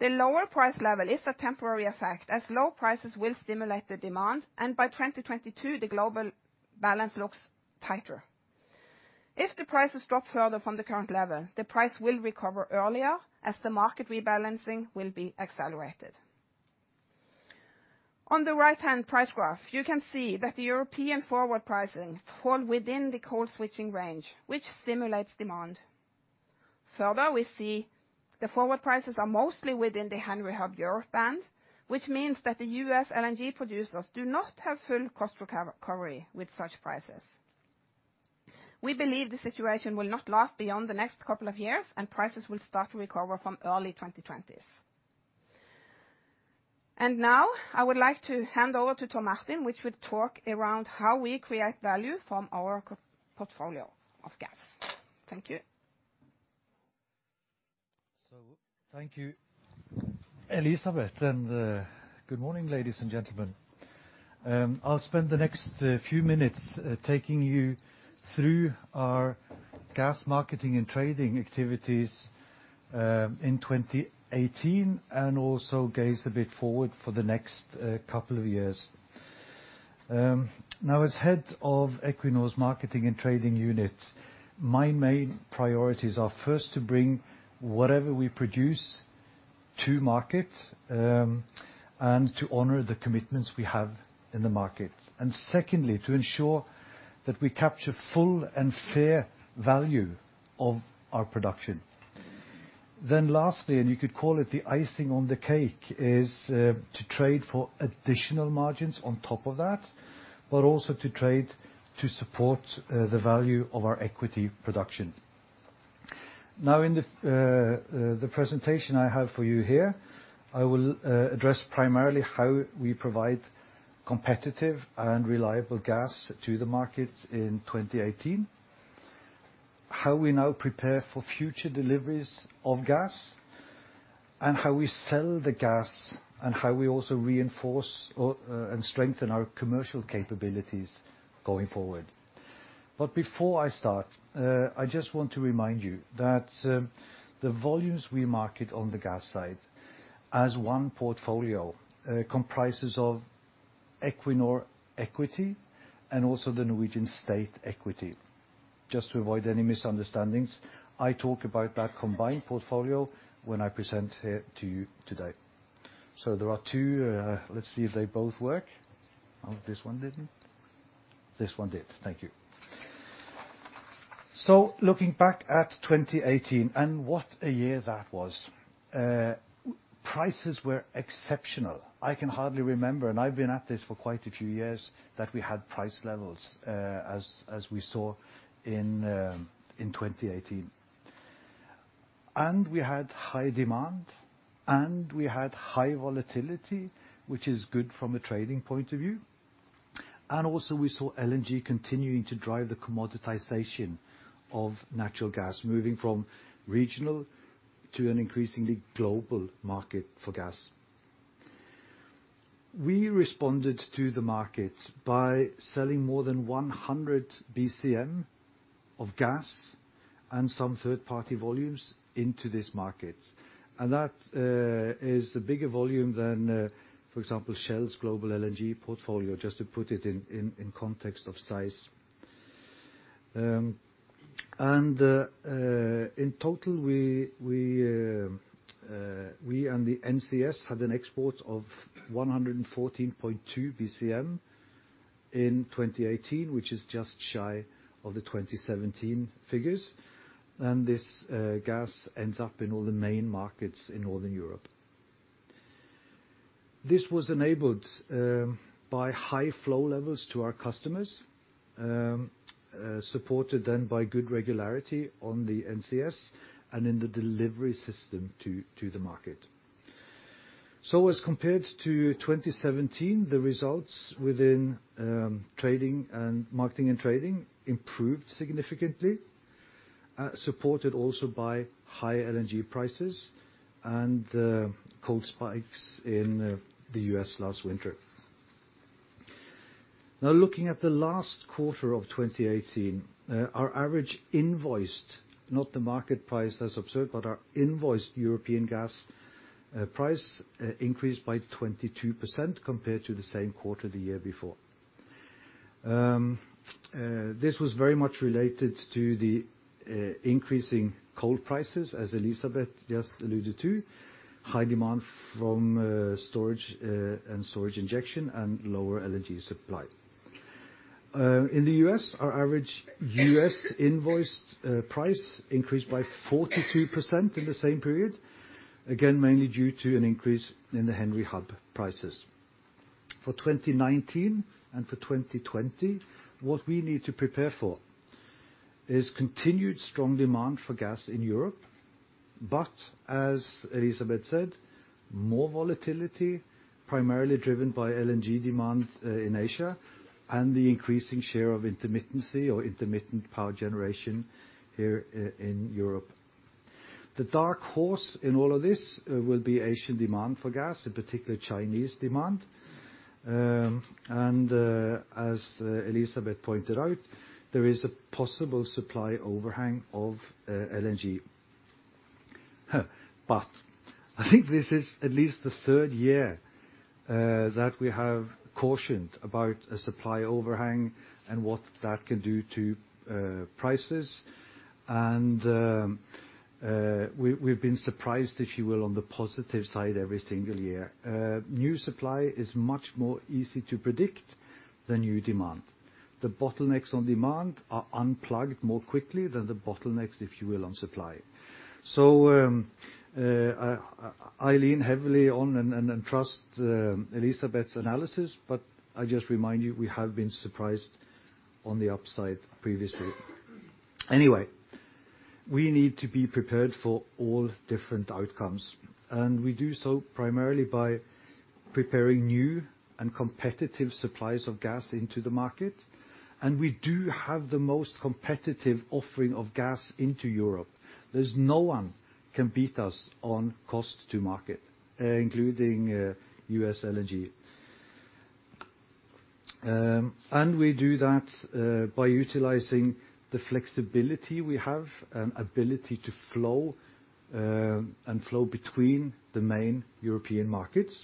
The lower price level is a temporary effect, as low prices will stimulate the demand, and by 2022, the global balance looks tighter. If the prices drop further from the current level, the price will recover earlier as the market rebalancing will be accelerated. On the right-hand price graph, you can see that the European forward pricing falls within the coal switching range, which stimulates demand. Further, we see the forward prices are mostly within the Henry Hub Europe band, which means that the U.S. LNG producers do not have full cost recovery with such prices. We believe the situation will not last beyond the next couple of years, and prices will start to recover from early 2020s. Now I would like to hand over to Tor Martin, which would talk about how we create value from our portfolio of gas. Thank you. Thank you, Elisabeth, and good morning, ladies and gentlemen. I'll spend the next few minutes taking you through our gas marketing and trading activities in 2018 and also glance a bit forward for the next couple of years. Now as head of Equinor's marketing and trading unit, my main priorities are first to bring whatever we produce to market and to honor the commitments we have in the market. Secondly, to ensure that we capture full and fair value of our production. Lastly, and you could call it the icing on the cake, is to trade for additional margins on top of that, but also to trade to support the value of our equity production. In the presentation I have for you here, I will address primarily how we provide competitive and reliable gas to the market in 2018, how we now prepare for future deliveries of gas, and how we sell the gas, and how we also reinforce and strengthen our commercial capabilities going forward. Before I start, I just want to remind you that the volumes we market on the gas side as one portfolio comprises of Equinor equity and also the Norwegian state equity. Just to avoid any misunderstandings, I talk about that combined portfolio when I present here to you today. There are two, let's see if they both work. Oh, this one didn't. This one did. Thank you. Looking back at 2018 and what a year that was. Prices were exceptional. I can hardly remember, and I've been at this for quite a few years, that we had price levels as we saw in 2018. We had high demand, and we had high volatility, which is good from a trading point of view. We also saw LNG continuing to drive the commoditization of natural gas, moving from regional to an increasingly global market for gas. We responded to the market by selling more than 100 BCM of gas and some third-party volumes into this market. That is a bigger volume than, for example, Shell's global LNG portfolio, just to put it in context of size. In total, we and the NCS had an export of 114.2 BCM in 2018, which is just shy of the 2017 figures. This gas ends up in all the main markets in Northern Europe. This was enabled by high flow levels to our customers, supported then by good regularity on the NCS and in the delivery system to the market. As compared to 2017, the results within trading and marketing and trading improved significantly, supported also by high LNG prices and cold spikes in the U.S. last winter. Now looking at the last quarter of 2018, our average invoiced, not the market price as observed, but our invoiced European gas price increased by 22% compared to the same quarter the year before. This was very much related to the increasing coal prices, as Elisabeth just alluded to, high demand from storage and storage injection, and lower LNG supply. In the U.S., our average U.S. invoiced price increased by 42% in the same period, again, mainly due to an increase in the Henry Hub prices. For 2019 and for 2020, what we need to prepare for is continued strong demand for gas in Europe, but as Elisabeth said, more volatility, primarily driven by LNG demand in Asia and the increasing share of intermittency or intermittent power generation here in Europe. The dark horse in all of this will be Asian demand for gas, in particular Chinese demand. As Elisabeth pointed out, there is a possible supply overhang of LNG. I think this is at least the third year that we have cautioned about a supply overhang and what that can do to prices. We've been surprised if you will on the positive side every single year. New supply is much more easy to predict than new demand. The bottlenecks on demand are unplugged more quickly than the bottlenecks, if you will, on supply. I lean heavily on and trust Elisabeth's analysis, but I just remind you we have been surprised on the upside previously. Anyway, we need to be prepared for all different outcomes, and we do so primarily by preparing new and competitive supplies of gas into the market. We do have the most competitive offering of gas into Europe. There's no one can beat us on cost to market, including U.S. LNG. We do that by utilizing the flexibility we have and ability to flow between the main European markets.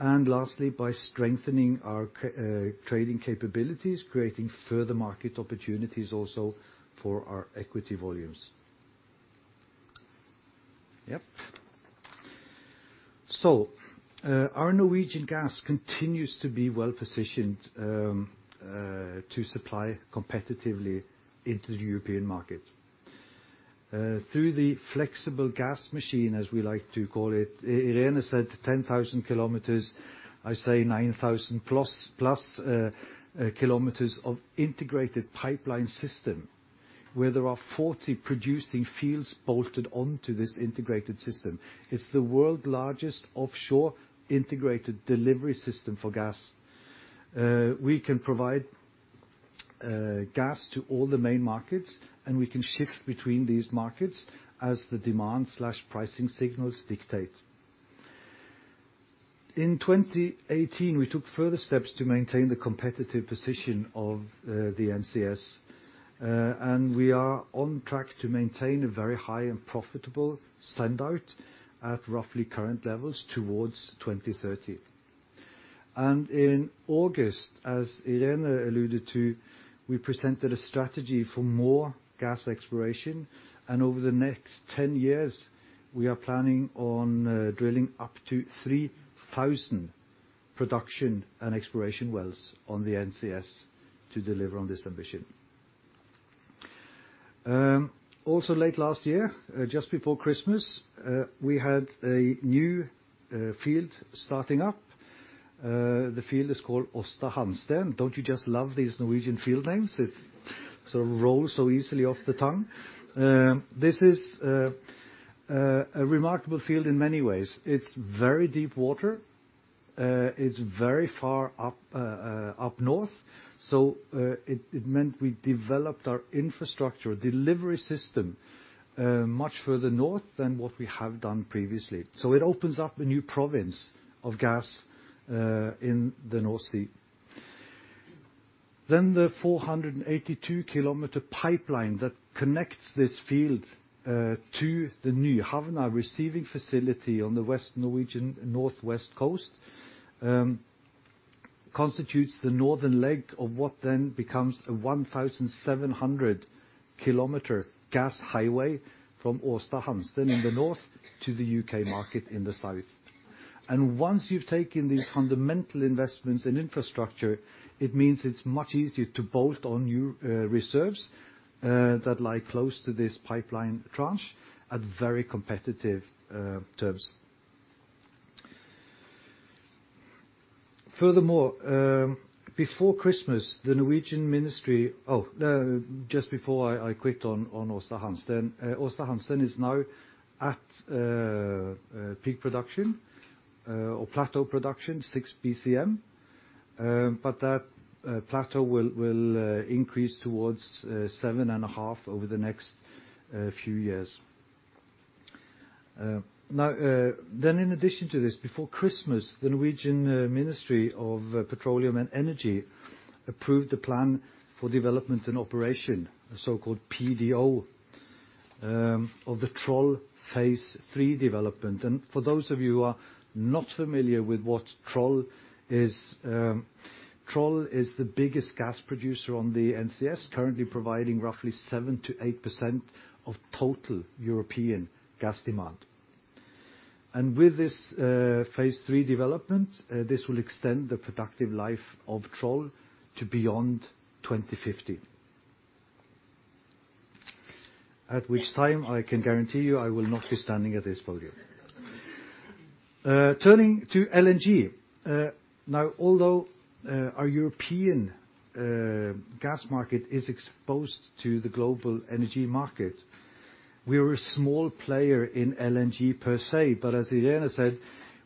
Lastly, by strengthening our trading capabilities, creating further market opportunities also for our equity volumes. Our Norwegian gas continues to be well-positioned to supply competitively into the European market. Through the flexible gas machine, as we like to call it, Irene said 10,000 kilometers, I say 9,000+ kilometers of integrated pipeline system, where there are 40 producing fields bolted onto this integrated system. It's the world's largest offshore integrated delivery system for gas. We can provide gas to all the main markets, and we can shift between these markets as the demand and pricing signals dictate. In 2018, we took further steps to maintain the competitive position of the NCS, and we are on track to maintain a very high and profitable sendout at roughly current levels towards 2030. In August, as Irene alluded to, we presented a strategy for more gas exploration. Over the next 10 years, we are planning on drilling up to 3,000 production and exploration wells on the NCS to deliver on this ambition. Also late last year, just before Christmas, we had a new field starting up. The field is called Aasta Hansteen. Don't you just love these Norwegian field names? It sort of rolls so easily off the tongue. This is a remarkable field in many ways. It's very deep water. It's very far up North. It meant we developed our infrastructure delivery system much further North than what we have done previously. It opens up a new province of gas in the North Sea. The 482 km pipeline that connects this field to the Nyhamna receiving facility on the west Norwegian northwest coast constitutes the northern leg of what then becomes a 1,700 km gas highway from Aasta Hansteen in the North to the U.K. market in the south. Once you've taken these fundamental investments in infrastructure, it means it's much easier to bolt on new reserves that lie close to this pipeline tranche at very competitive terms. Furthermore, before Christmas, the Norwegian Ministry. Oh, no, just before I quit on Aasta Hansteen. Aasta Hansteen is now at peak production or plateau production, six BCM. But that plateau will increase towards 7.5 over the next few years. Now, in addition to this, before Christmas, the Norwegian Ministry of Petroleum and Energy approved the plan for development and operation, the so-called PDO, of the Troll phase III development. For those of you who are not familiar with what Troll is, Troll is the biggest gas producer on the NCS, currently providing roughly 7%-8% of total European gas demand. With this, phase III development, this will extend the productive life of Troll to beyond 2050. At which time, I can guarantee you, I will not be standing at this podium. Turning to LNG. Although, our European, gas market is exposed to the global energy market, we are a small player in LNG per se. As Irene said,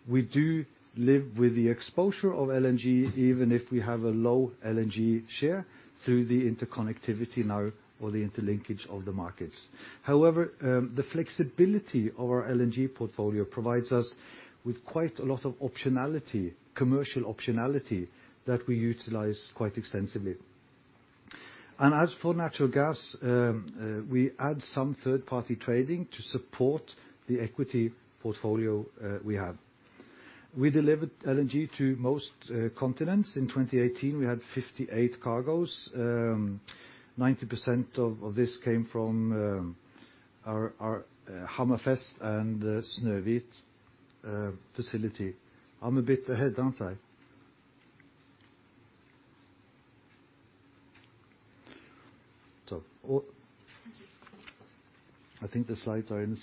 we do live with the exposure of LNG, even if we have a low LNG share through the interconnectivity now or the interlinkage of the markets. However, the flexibility of our LNG portfolio provides us with quite a lot of optionality, commercial optionality that we utilize quite extensively. As for natural gas, we add some third-party trading to support the equity portfolio we have. We delivered LNG to most continents. In 2018, we had 58 cargoes. 90% of this came from our Hammerfest and Snøhvit facility. I'm a bit ahead, aren't I? I think the slides are in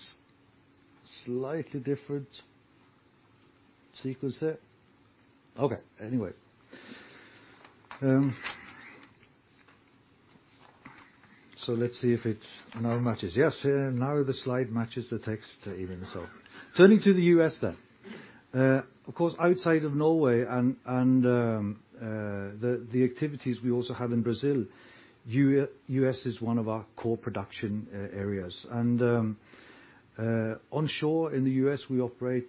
slightly different sequence there? Okay, anyway. Let's see if it now matches. Yes, now the slide matches the text even. Turning to the U.S. then. Of course, outside of Norway and the activities we also have in Brazil, U.S. is one of our core production areas. Onshore in the U.S., we operate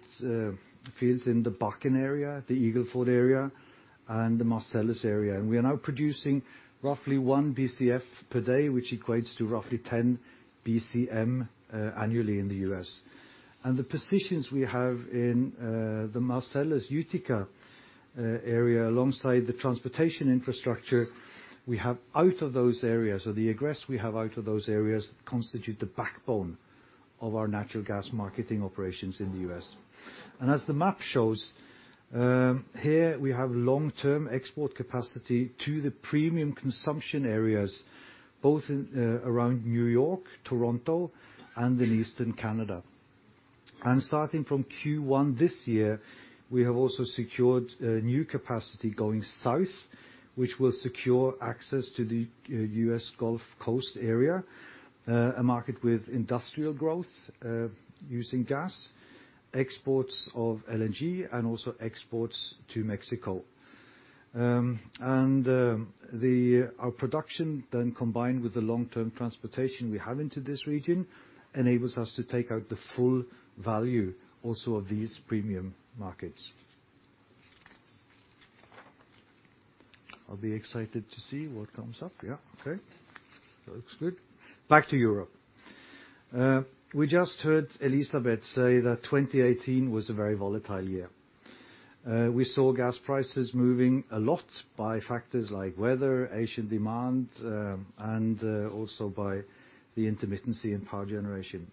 fields in the Bakken area, the Eagle Ford area, and the Marcellus area. We are now producing roughly one Bcf per day, which equates to roughly 10 BCM annually in the U.S. The positions we have in the Marcellus Utica area alongside the transportation infrastructure we have out of those areas, or the egress we have out of those areas, constitute the backbone of our natural gas marketing operations in the U.S. As the map shows, here we have long-term export capacity to the premium consumption areas, both in around New York, Toronto, and in Eastern Canada. Starting from Q1 this year, we have also secured new capacity going south, which will secure access to the U.S. Gulf Coast area, a market with industrial growth using gas, exports of LNG, and also exports to Mexico. Our production then combined with the long-term transportation we have into this region enables us to take out the full value also of these premium markets. I'll be excited to see what comes up. Yeah. Okay. That looks good. Back to Europe. We just heard Elisabeth say that 2018 was a very volatile year. We saw gas prices moving a lot by factors like weather, Asian demand, and also by the intermittency in power generation.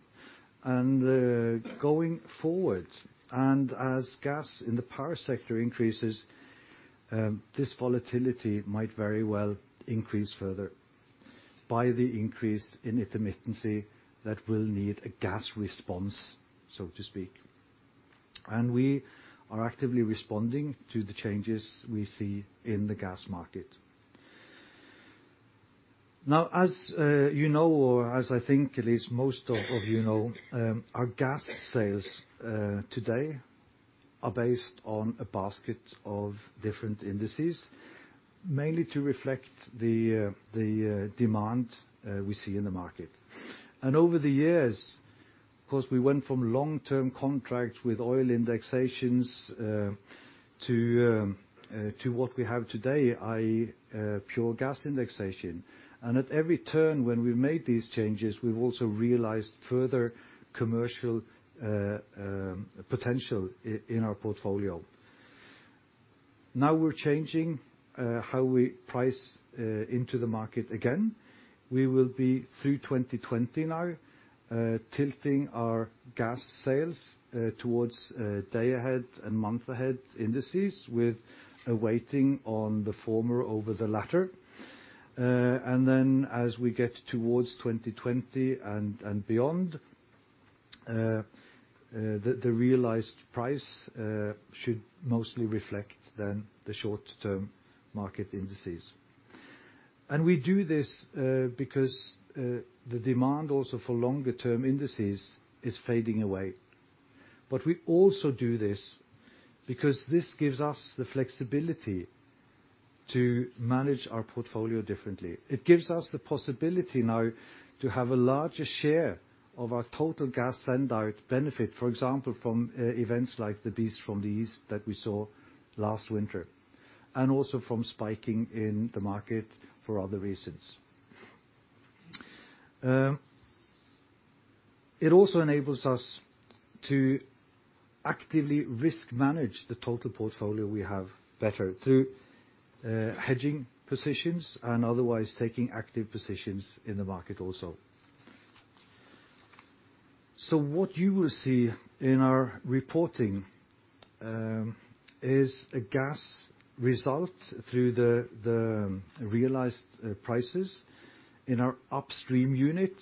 Going forward, as gas in the power sector increases, this volatility might very well increase further by the increase in intermittency that will need a gas response, so to speak. We are actively responding to the changes we see in the gas market. Now, as you know, or as I think at least most of you know, our gas sales today are based on a basket of different indices, mainly to reflect the demand we see in the market. Over the years, of course, we went from long-term contracts with oil indexations to what we have today, i.e., pure gas indexation. At every turn when we made these changes, we've also realized further commercial potential in our portfolio. Now we're changing how we price into the market again. We will be through 2020 now, tilting our gas sales towards day-ahead and month-ahead indices with a weighting on the former over the latter. As we get towards 2020 and beyond, the realized price should mostly reflect then the short-term market indices. We do this because the demand also for longer-term indices is fading away. We also do this because this gives us the flexibility to manage our portfolio differently. It gives us the possibility now to have a larger share of our total gas send-out benefit. For example, from events like the Beast from the East that we saw last winter, and also from spiking in the market for other reasons. It also enables us to actively risk manage the total portfolio we have better through hedging positions and otherwise taking active positions in the market also. What you will see in our reporting is a gas result through the realized prices in our upstream unit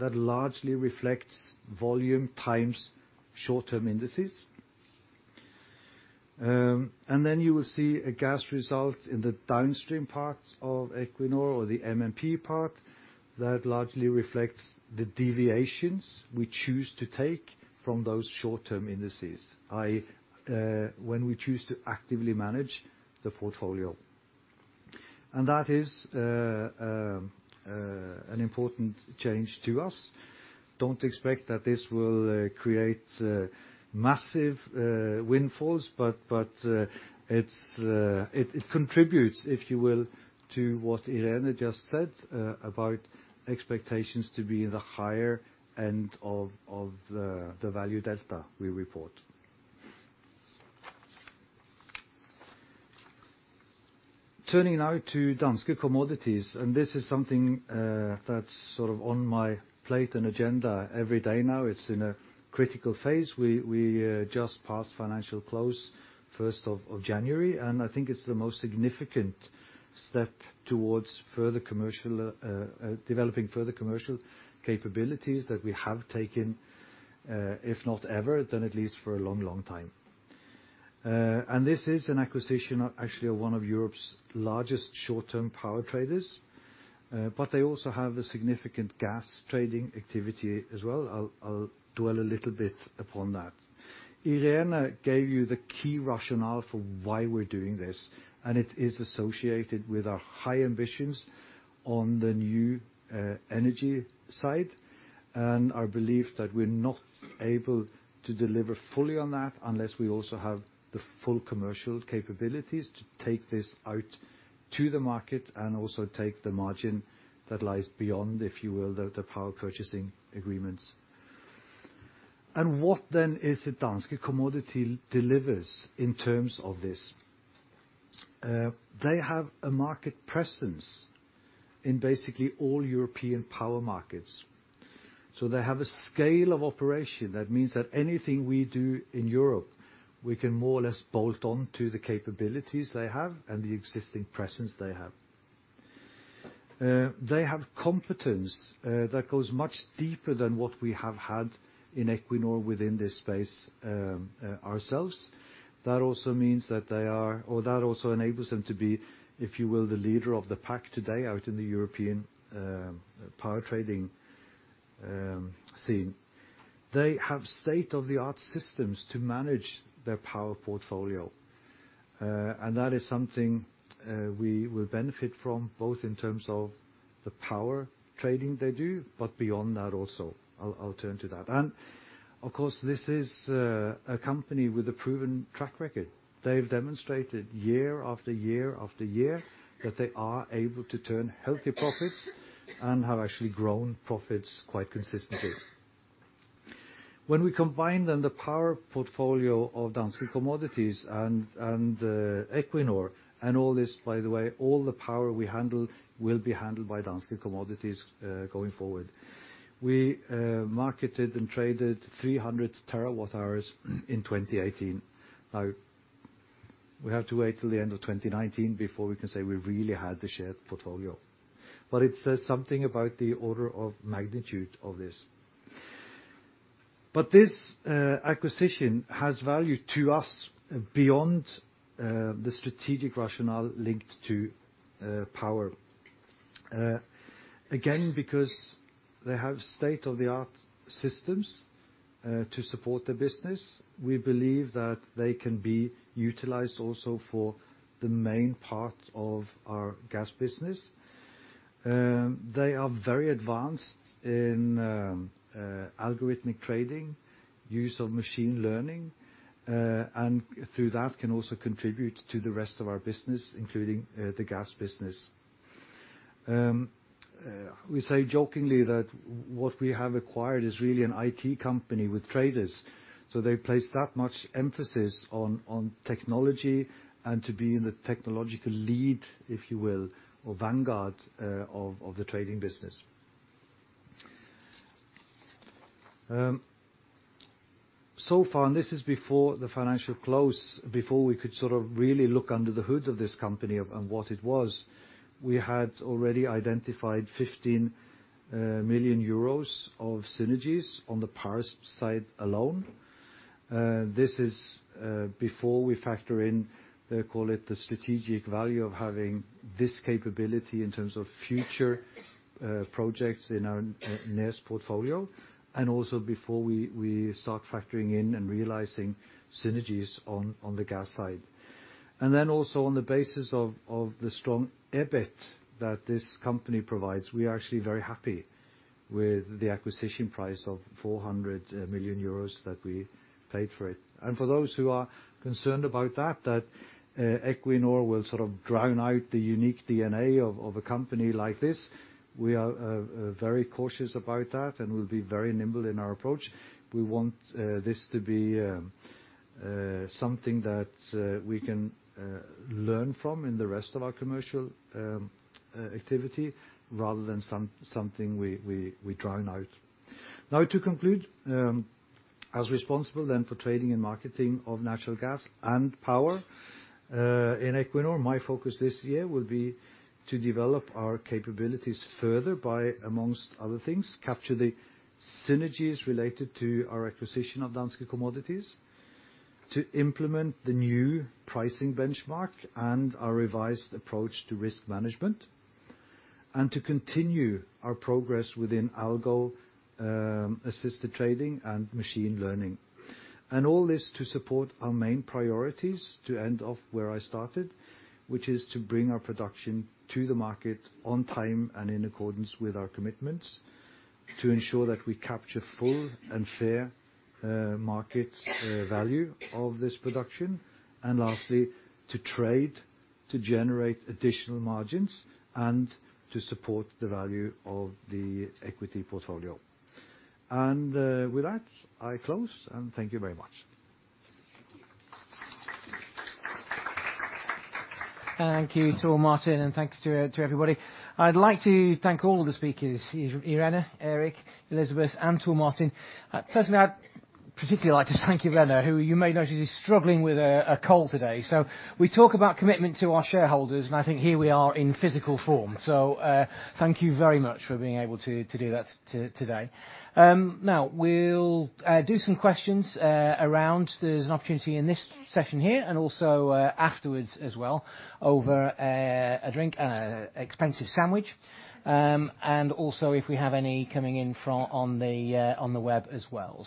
that largely reflects volume times short-term indices. Then you will see a gas result in the downstream part of Equinor or the MMP part that largely reflects the deviations we choose to take from those short-term indices, i.e., when we choose to actively manage the portfolio. That is an important change to us. Don't expect that this will create massive windfalls, but it contributes, if you will, to what Irene just said about expectations to be in the higher end of the value delta we report. Turning now to Danske Commodities, this is something that's sort of on my plate and agenda every day now. It's in a critical phase. We just passed financial close January 1, and I think it's the most significant step towards further commercial developing further commercial capabilities that we have taken, if not ever, then at least for a long, long time. This is an acquisition of actually one of Europe's largest short-term power traders, but they also have a significant gas trading activity as well. I'll dwell a little bit upon that. Irene gave you the key rationale for why we're doing this, and it is associated with our high ambitions on the new energy side. Our belief that we're not able to deliver fully on that unless we also have the full commercial capabilities to take this out to the market and also take the margin that lies beyond, if you will, the power purchasing agreements. What then is it Danske Commodities delivers in terms of this? They have a market presence in basically all European power markets. They have a scale of operation that means that anything we do in Europe, we can more or less bolt on to the capabilities they have and the existing presence they have. They have competence that goes much deeper than what we have had in Equinor within this space, ourselves. That also enables them to be, if you will, the leader of the pack today out in the European power trading scene. They have state-of-the-art systems to manage their power portfolio. That is something we will benefit from both in terms of the power trading they do, but beyond that also. I'll turn to that. Of course, this is a company with a proven track record. They've demonstrated year after year after year that they are able to turn healthy profits and have actually grown profits quite consistently. When we combine then the power portfolio of Danske Commodities and Equinor and all this, by the way, all the power we handle will be handled by Danske Commodities going forward. We marketed and traded 300 terawatt-hours in 2018. Now, we have to wait till the end of 2019 before we can say we really had the shared portfolio. It says something about the order of magnitude of this. This acquisition has value to us beyond the strategic rationale linked to power. Again, because they have state-of-the-art systems to support their business, we believe that they can be utilized also for the main part of our gas business. They are very advanced in algorithmic trading, use of machine learning, and through that can also contribute to the rest of our business, including the gas business. We say jokingly that what we have acquired is really an IT company with traders. They place that much emphasis on technology and to be in the technological lead, if you will, or vanguard of the trading business. So far, and this is before the financial close, before we could sort of really look under the hood of this company and what it was, we had already identified 15 million euros of synergies on the power side alone. This is before we factor in, they call it the strategic value of having this capability in terms of future projects in our NESS portfolio, and also before we start factoring in and realizing synergies on the gas side. Then also on the basis of the strong EBIT that this company provides, we are actually very happy with the acquisition price of 400 million euros that we paid for it. For those who are concerned about that, Equinor will sort of drown out the unique DNA of a company like this, we are very cautious about that and we'll be very nimble in our approach. We want this to be something that we can learn from in the rest of our commercial activity rather than something we drown out. Now, to conclude, as responsible then for trading and marketing of natural gas and power in Equinor, my focus this year will be to develop our capabilities further by, among other things, capture the synergies related to our acquisition of Danske Commodities, to implement the new pricing benchmark and our revised approach to risk management, and to continue our progress within algo assisted trading and machine learning. All this to support our main priorities to end off where I started, which is to bring our production to the market on time and in accordance with our commitments, to ensure that we capture full and fair market value of this production, and lastly, to trade, to generate additional margins and to support the value of the equity portfolio. With that, I close, and thank you very much. Thank you, Tor Martin, and thanks to everybody. I'd like to thank all of the speakers, Irene, Eirik, Elisabeth, and Tor Martin. Particularly like to thank you Glenn, who you may notice is struggling with a cold today. We talk about commitment to our shareholders, and I think here we are in physical form. Thank you very much for being able to do that today. Now we'll do some questions around. There's an opportunity in this session here and also afterwards as well over a drink and an expensive sandwich. If we have any coming in from the web as well.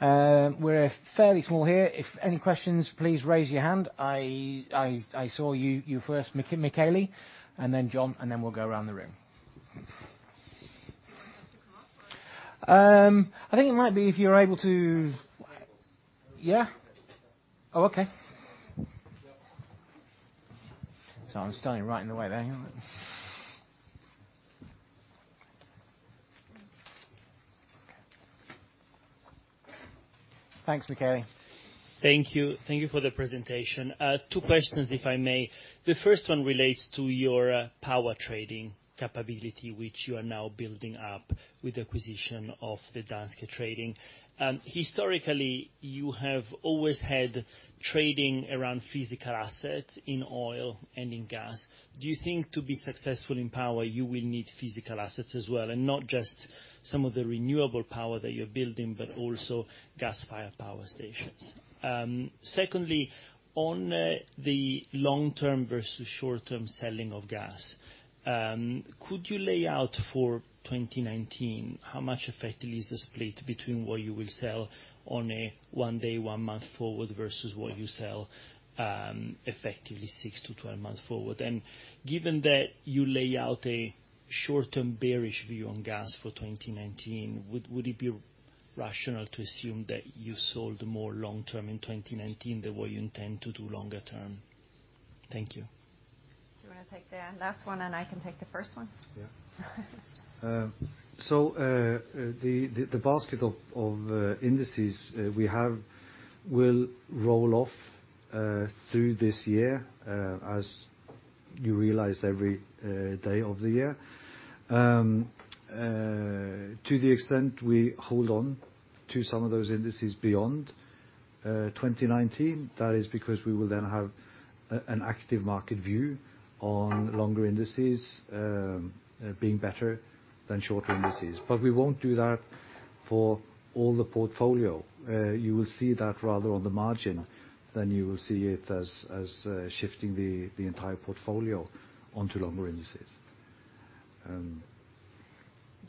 We're fairly small here. If any questions, please raise your hand. I saw you first, Michele, and then Jon, and then we'll go around the room. Do I have to come up or? I think it might be if you're able to. I'm able. Yeah. Oh, okay. Yep. Sorry, I'm standing right in the way there, aren't I? Thanks, Michele. Thank you. Thank you for the presentation. Two questions if I may. The first one relates to your power trading capability, which you are now building up with the acquisition of the Danske Commodities. Historically, you have always had trading around physical assets in oil and in gas. Do you think to be successful in power, you will need physical assets as well, and not just some of the renewable power that you're building but also gas-fired power stations? Secondly, on the long-term versus short-term selling of gas, could you lay out for 2019 how much effectively is the split between what you will sell on a one day, one month forward versus what you sell, effectively six to twelve months forward? Given that you lay out a short-term bearish view on gas for 2019, would it be rational to assume that you sold more long-term in 2019 than what you intend to do longer term? Thank you. Do you wanna take the last one and I can take the first one? The basket of indices we have will roll off through this year, as you realize every day of the year. To the extent we hold on to some of those indices beyond 2019, that is because we will then have an active market view on longer indices being better than shorter indices. We won't do that for all the portfolio. You will see that rather on the margin than you will see it as shifting the entire portfolio onto longer indices.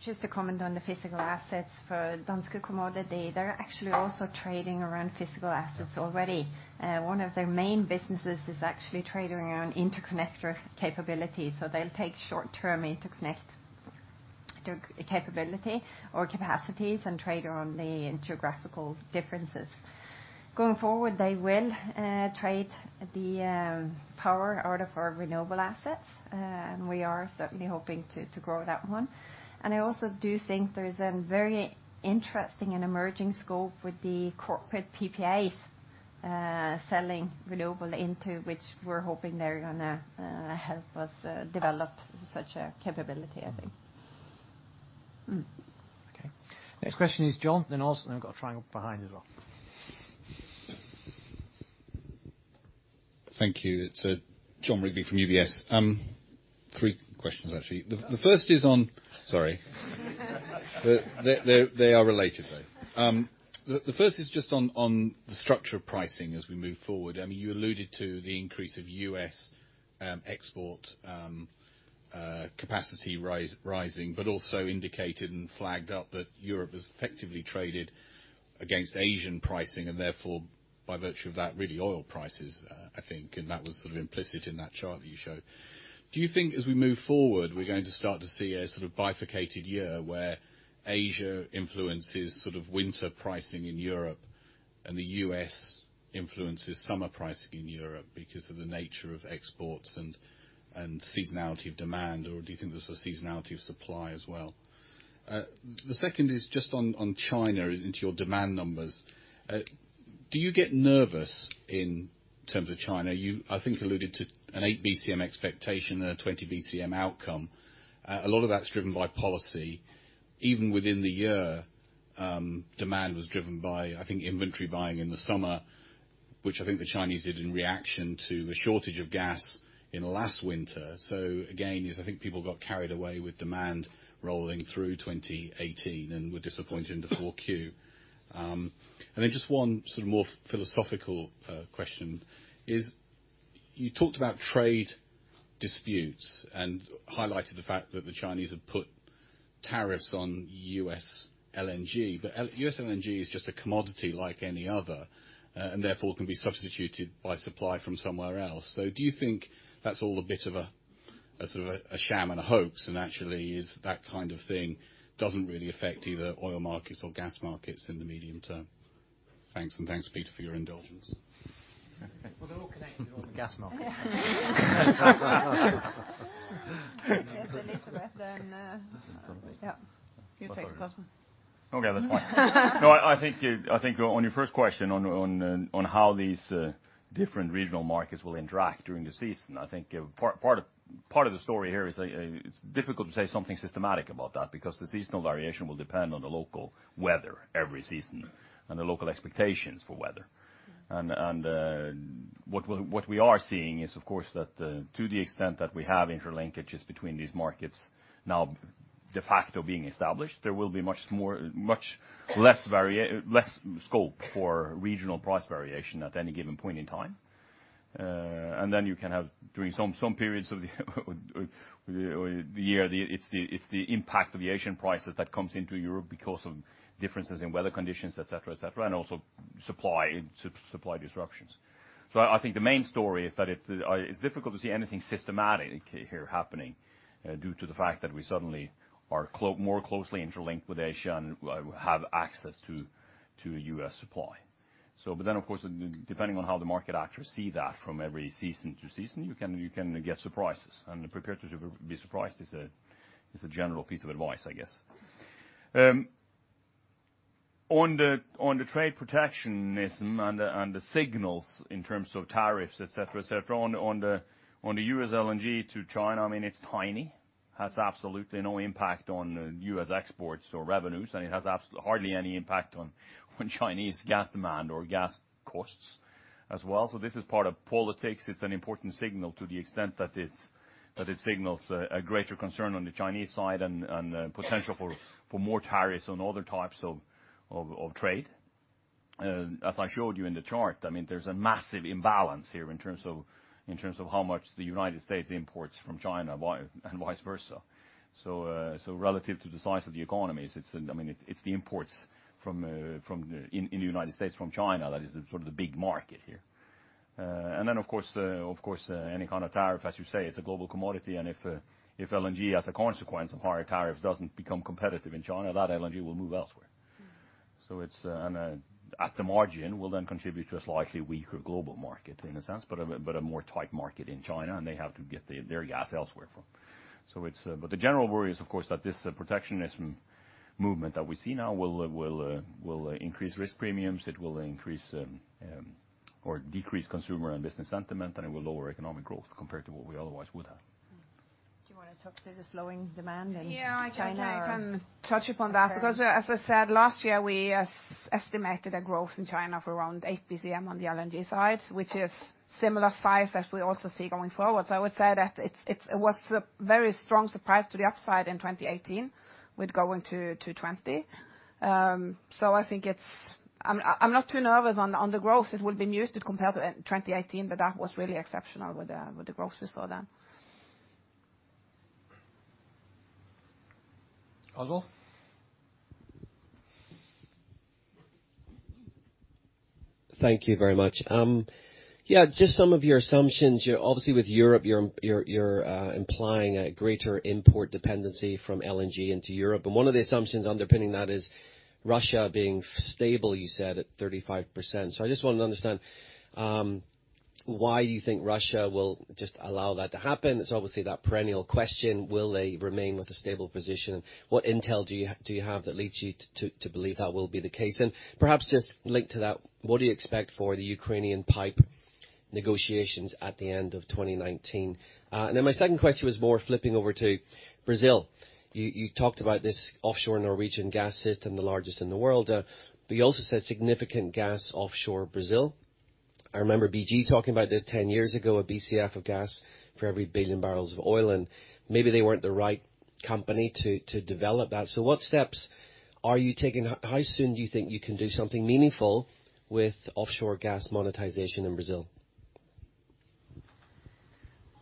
Just to comment on the physical assets for Danske Commodities, they're actually also trading around physical assets already. One of their main businesses is actually trading around interconnector capabilities. They'll take short-term interconnect capability or capacities and trade on the geographical differences. Going forward, they will trade the power out of our renewable assets. We are certainly hoping to grow that one. I also do think there's a very interesting and emerging scope with the corporate PPAs, selling renewable into which we're hoping they're gonna help us develop such a capability, I think. Okay. Next question is Jon, then also we've got Frank behind as well. Thank you. It's Jon Rigby from UBS. Three questions, actually. They are related, though. The first is just on the structure of pricing as we move forward. I mean, you alluded to the increase of U.S. export capacity rising. But also indicated and flagged up that Europe has effectively traded against Asian pricing, and therefore, by virtue of that, really oil prices, I think, and that was sort of implicit in that chart that you showed. Do you think as we move forward, we're going to start to see a sort of bifurcated year where Asia influences sort of winter pricing in Europe and the U.S. influences summer pricing in Europe because of the nature of exports and seasonality of demand, or do you think there's a seasonality of supply as well? The second is just on China into your demand numbers. Do you get nervous in terms of China? You, I think, alluded to an eight BCM expectation and a 20 BCM outcome. A lot of that's driven by policy. Even within the year, demand was driven by, I think, inventory buying in the summer, which I think the Chinese did in reaction to the shortage of gas in the last winter. Again, I think people got carried away with demand rolling through 2018 and were disappointed in .the 4Q. And then just one sort of more philosophical question is you talked about trade disputes and highlighted the fact that the Chinese have put tariffs on U.S. LNG. But U.S. LNG is just a commodity like any other, and therefore can be substituted by supply from somewhere else. Do you think that's all a bit of a sort of a sham and a hoax, and actually is that kind of thing doesn't really affect either oil markets or gas markets in the medium term? Thanks, and thanks, Peter, for your indulgence. Well, they're all connected with the gas market. Yeah. There's Elisabeth and, yeah. Who takes Opedal? Okay, that's fine. No, I think on your first question on how these different regional markets will interact during the season, I think a part of the story here is it's difficult to say something systematic about that because the seasonal variation will depend on the local weather every season and the local expectations for weather. What we are seeing is, of course, that to the extent that we have interlinkages between these markets now de facto being established, there will be much less scope for regional price variation at any given point in time. You can have during some periods of the year, it's the impact of the Asian prices that comes into Europe because of differences in weather conditions, et cetera, et cetera, and also supply and supply disruptions. I think the main story is that it's difficult to see anything systematic here happening due to the fact that we suddenly are more closely interlinked with Asia and have access to U.S. supply. Depending on how the market actors see that from season to season, you can get surprises. Be prepared to be surprised is a general piece of advice, I guess. On the trade protectionism and the signals in terms of tariffs, et cetera, on the U.S. LNG to China, I mean, it's tiny. Has absolutely no impact on U.S. Exports or revenues, and it has hardly any impact on Chinese gas demand or gas costs as well. This is part of politics. It's an important signal to the extent that it signals a greater concern on the Chinese side and potential for more tariffs on other types of trade. As I showed you in the chart, I mean, there's a massive imbalance here in terms of how much the United States imports from China and vice versa. Relative to the size of the economies, it's, I mean, it's the imports from China into the United States that is sort of the big market here. Of course, any kind of tariff, as you say, it's a global commodity, and if LNG, as a consequence of higher tariffs, doesn't become competitive in China, that LNG will move elsewhere. It's, at the margin, will then contribute to a slightly weaker global market in a sense, but a more tight market in China, and they have to get their gas elsewhere from. The general worry is, of course, that this protectionism movement that we see now will increase risk premiums. It will increase or decrease consumer and business sentiment, and it will lower economic growth compared to what we otherwise would have. Do you wanna talk about the slowing demand in China? Yeah, I can touch upon that. Okay. Because as I said, last year, we estimated a growth in China of around eight BCM on the LNG side, which is similar size as we also see going forward. I would say that it was a very strong surprise to the upside in 2018 with going to 20. I think I'm not too nervous on the growth. It will be muted compared to 2018, but that was really exceptional with the growth we saw then. Opedal? Thank you very much. Yeah, just some of your assumptions. Obviously, with Europe, you're implying a greater import dependency from LNG into Europe. One of the assumptions underpinning that is Russia being stable, you said, at 35%. I just wanted to understand why you think Russia will just allow that to happen. It's obviously that perennial question, will they remain with a stable position? What intel do you have that leads you to believe that will be the case? Perhaps just linked to that, what do you expect for the Ukraine pipeline negotiations at the end of 2019? My second question was more flipping over to Brazil. You talked about this offshore Norwegian gas system, the largest in the world. You also said significant gas offshore Brazil. I remember BG talking about this 10 years ago, a Bcf of gas for every billion barrels of oil, and maybe they weren't the right company to develop that. What steps are you taking? How soon do you think you can do something meaningful with offshore gas monetization in Brazil?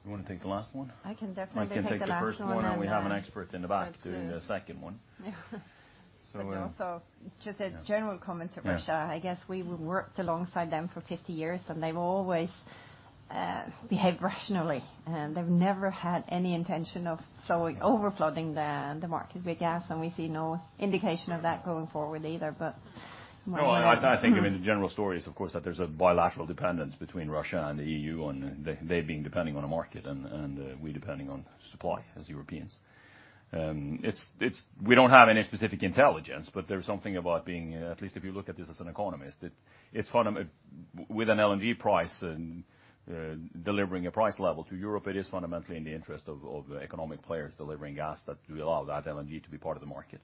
You wanna take the last one? I can definitely take the last one. I can take the first one, and we have an expert in the back doing the second one. Yeah. So, uh also just a general comment to Russia. Yeah. I guess we've worked alongside them for 50 years, and they've always behaved rationally. They've never had any intention of overflooding the market with gas, and we see no indication of that going forward either. My opinion- No, I think, I mean, the general story is, of course, that there's a bilateral dependence between Russia and the EU on. They being depending on a market and we depending on supply as Europeans. We don't have any specific intelligence, but there's something about being, at least if you look at this as an economist, With an LNG price and delivering a price level to Europe, it is fundamentally in the interest of economic players delivering gas that we allow that LNG to be part of the market.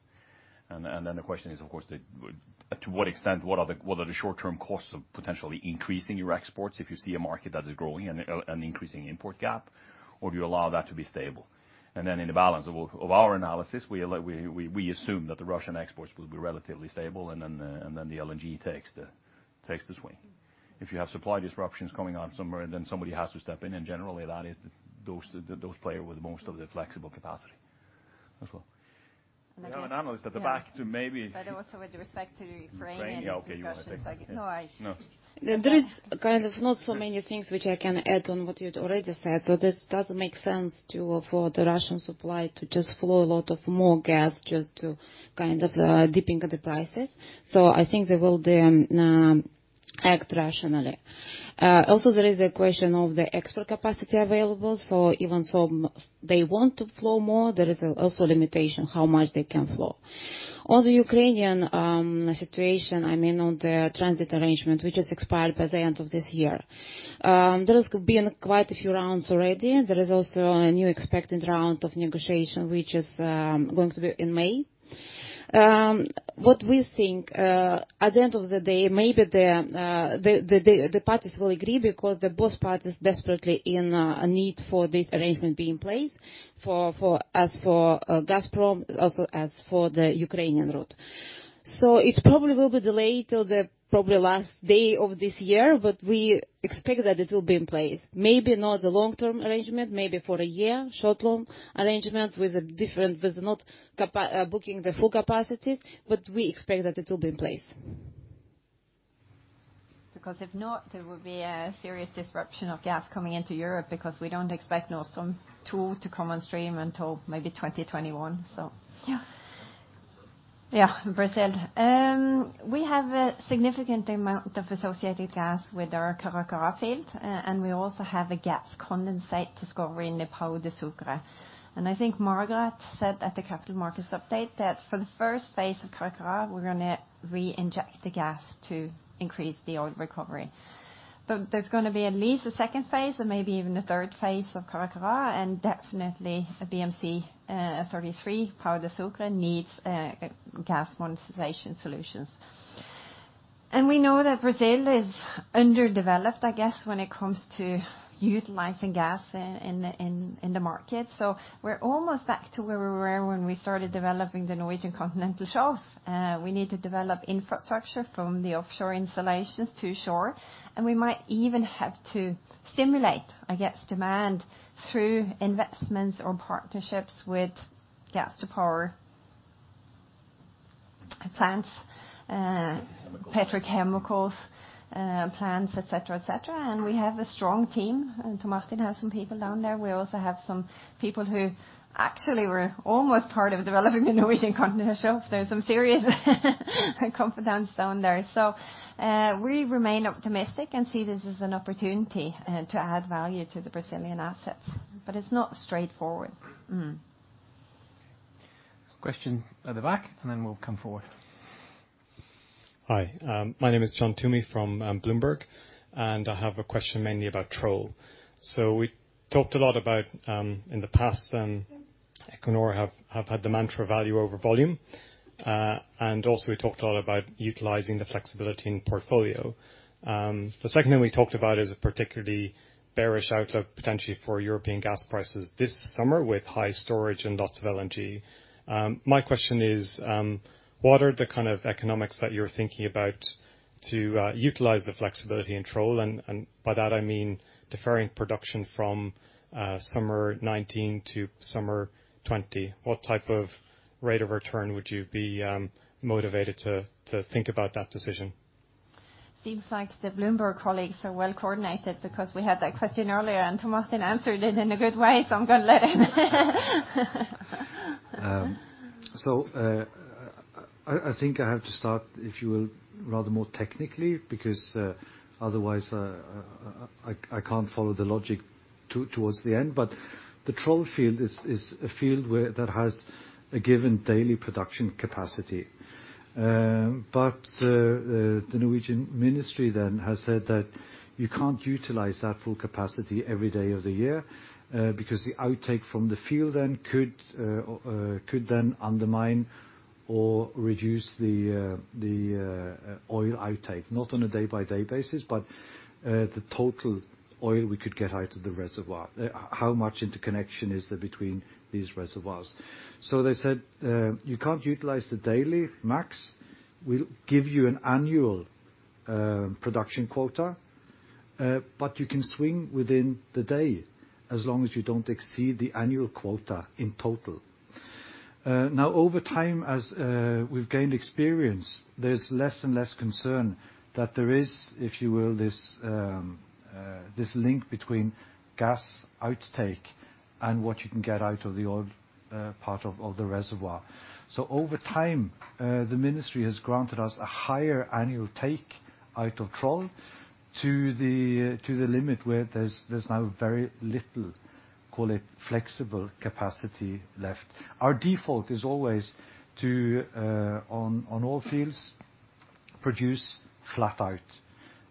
Then the question is, of course, to what extent, what are the short-term costs of potentially increasing your exports if you see a market that is growing and increasing import gap? Or do you allow that to be stable? Then in the balance of our analysis, we assume that the Russian exports will be relatively stable, and then the LNG takes the swing. If you have supply disruptions going on somewhere, and then somebody has to step in, and generally that is those players with most of the flexible capacity as well. I think. We have an analyst at the back to maybe. Also with respect to the Ukrainian discussions. Ukrainian, okay, you wanna take that? No, I No. There is kind of not so many things which I can add on what you'd already said. This doesn't make sense for the Russian supply to just flow a lot more gas just to kind of dip the prices. I think they will then act rationally. Also there is a question of the export capacity available. Even so they want to flow more, there is also a limitation how much they can flow. On the Ukrainian situation, I mean, on the transit arrangement, which expires by the end of this year, there has been quite a few rounds already. There is also a new expected round of negotiation, which is going to be in May. What we think at the end of the day, maybe the parties will agree because both parties desperately in a need for this arrangement be in place for, as for Gazprom, also as for the Ukrainian route. It probably will be delayed till the probably last day of this year, but we expect that it will be in place. Maybe not a long-term arrangement, maybe for a year, short-term arrangement with not booking the full capacity, but we expect that it will be in place. Because if not, there will be a serious disruption of gas coming into Europe because we don't expect Nord Stream two to come on stream until maybe 2021, so. Yeah. Yeah, Brazil. We have a significant amount of associated gas with our Carcará field, and we also have a gas condensate discovery in the Pão de Açúcar. I think Margareth said at the capital markets update that for the first phase of Carcará, we're gonna reinject the gas to increase the oil recovery. There's gonna be at least a second phase and maybe even a third phase of Carcará and definitely a BM-C-33. Pão de Açúcar needs gas monetization solutions. We know that Brazil is underdeveloped, I guess, when it comes to utilizing gas in the market. We're almost back to where we were when we started developing the Norwegian Continental Shelf. We need to develop infrastructure from the offshore installations to shore, and we might even have to stimulate, I guess, demand through investments or partnerships with gas to power plants. Chemicals. Petrochemicals, plants, et cetera, et cetera. We have a strong team. Tor Martin has some people down there. We also have some people who actually were almost part of developing the Norwegian continental shelves. There's some serious competence down there. We remain optimistic and see this as an opportunity to add value to the Brazilian assets, but it's not straightforward. Question at the back, and then we'll come forward. Hi. My name is John Toomey from Bloomberg. I have a question mainly about Troll. We talked a lot about in the past, and Equinor have had the mantra value over volume. We also talked a lot about utilizing the flexibility in portfolio. The second thing we talked about is a particularly bearish outlook potentially for European gas prices this summer with high storage and lots of LNG. My question is, what are the kind of economics that you're thinking about to utilize the flexibility in Troll? By that I mean deferring production from summer 2019 to summer 2020. What type of rate of return would you be motivated to think about that decision? Seems like the Bloomberg colleagues are well-coordinated because we had that question earlier, and Tor Martin answered it in a good way, so I'm gonna let him. I think I have to start, if you will, rather more technically because otherwise I can't follow the logic towards the end. The Troll field is a field that has a given daily production capacity. The Norwegian ministry then has said that you can't utilize that full capacity every day of the year because the outtake from the field then could undermine or reduce the oil outtake. Not on a day-by-day basis, but the total oil we could get out of the reservoir. How much interconnection is there between these reservoirs. They said, "You can't utilize the daily max. We'll give you an annual production quota, but you can swing within the day as long as you don't exceed the annual quota in total. Now over time, as we've gained experience, there's less and less concern that there is, if you will, this link between gas outtake and what you can get out of the oil part of the reservoir. Over time, the ministry has granted us a higher annual take out of Troll to the limit where there's now very little, call it, flexible capacity left. Our default is always to on oil fields produce flat out.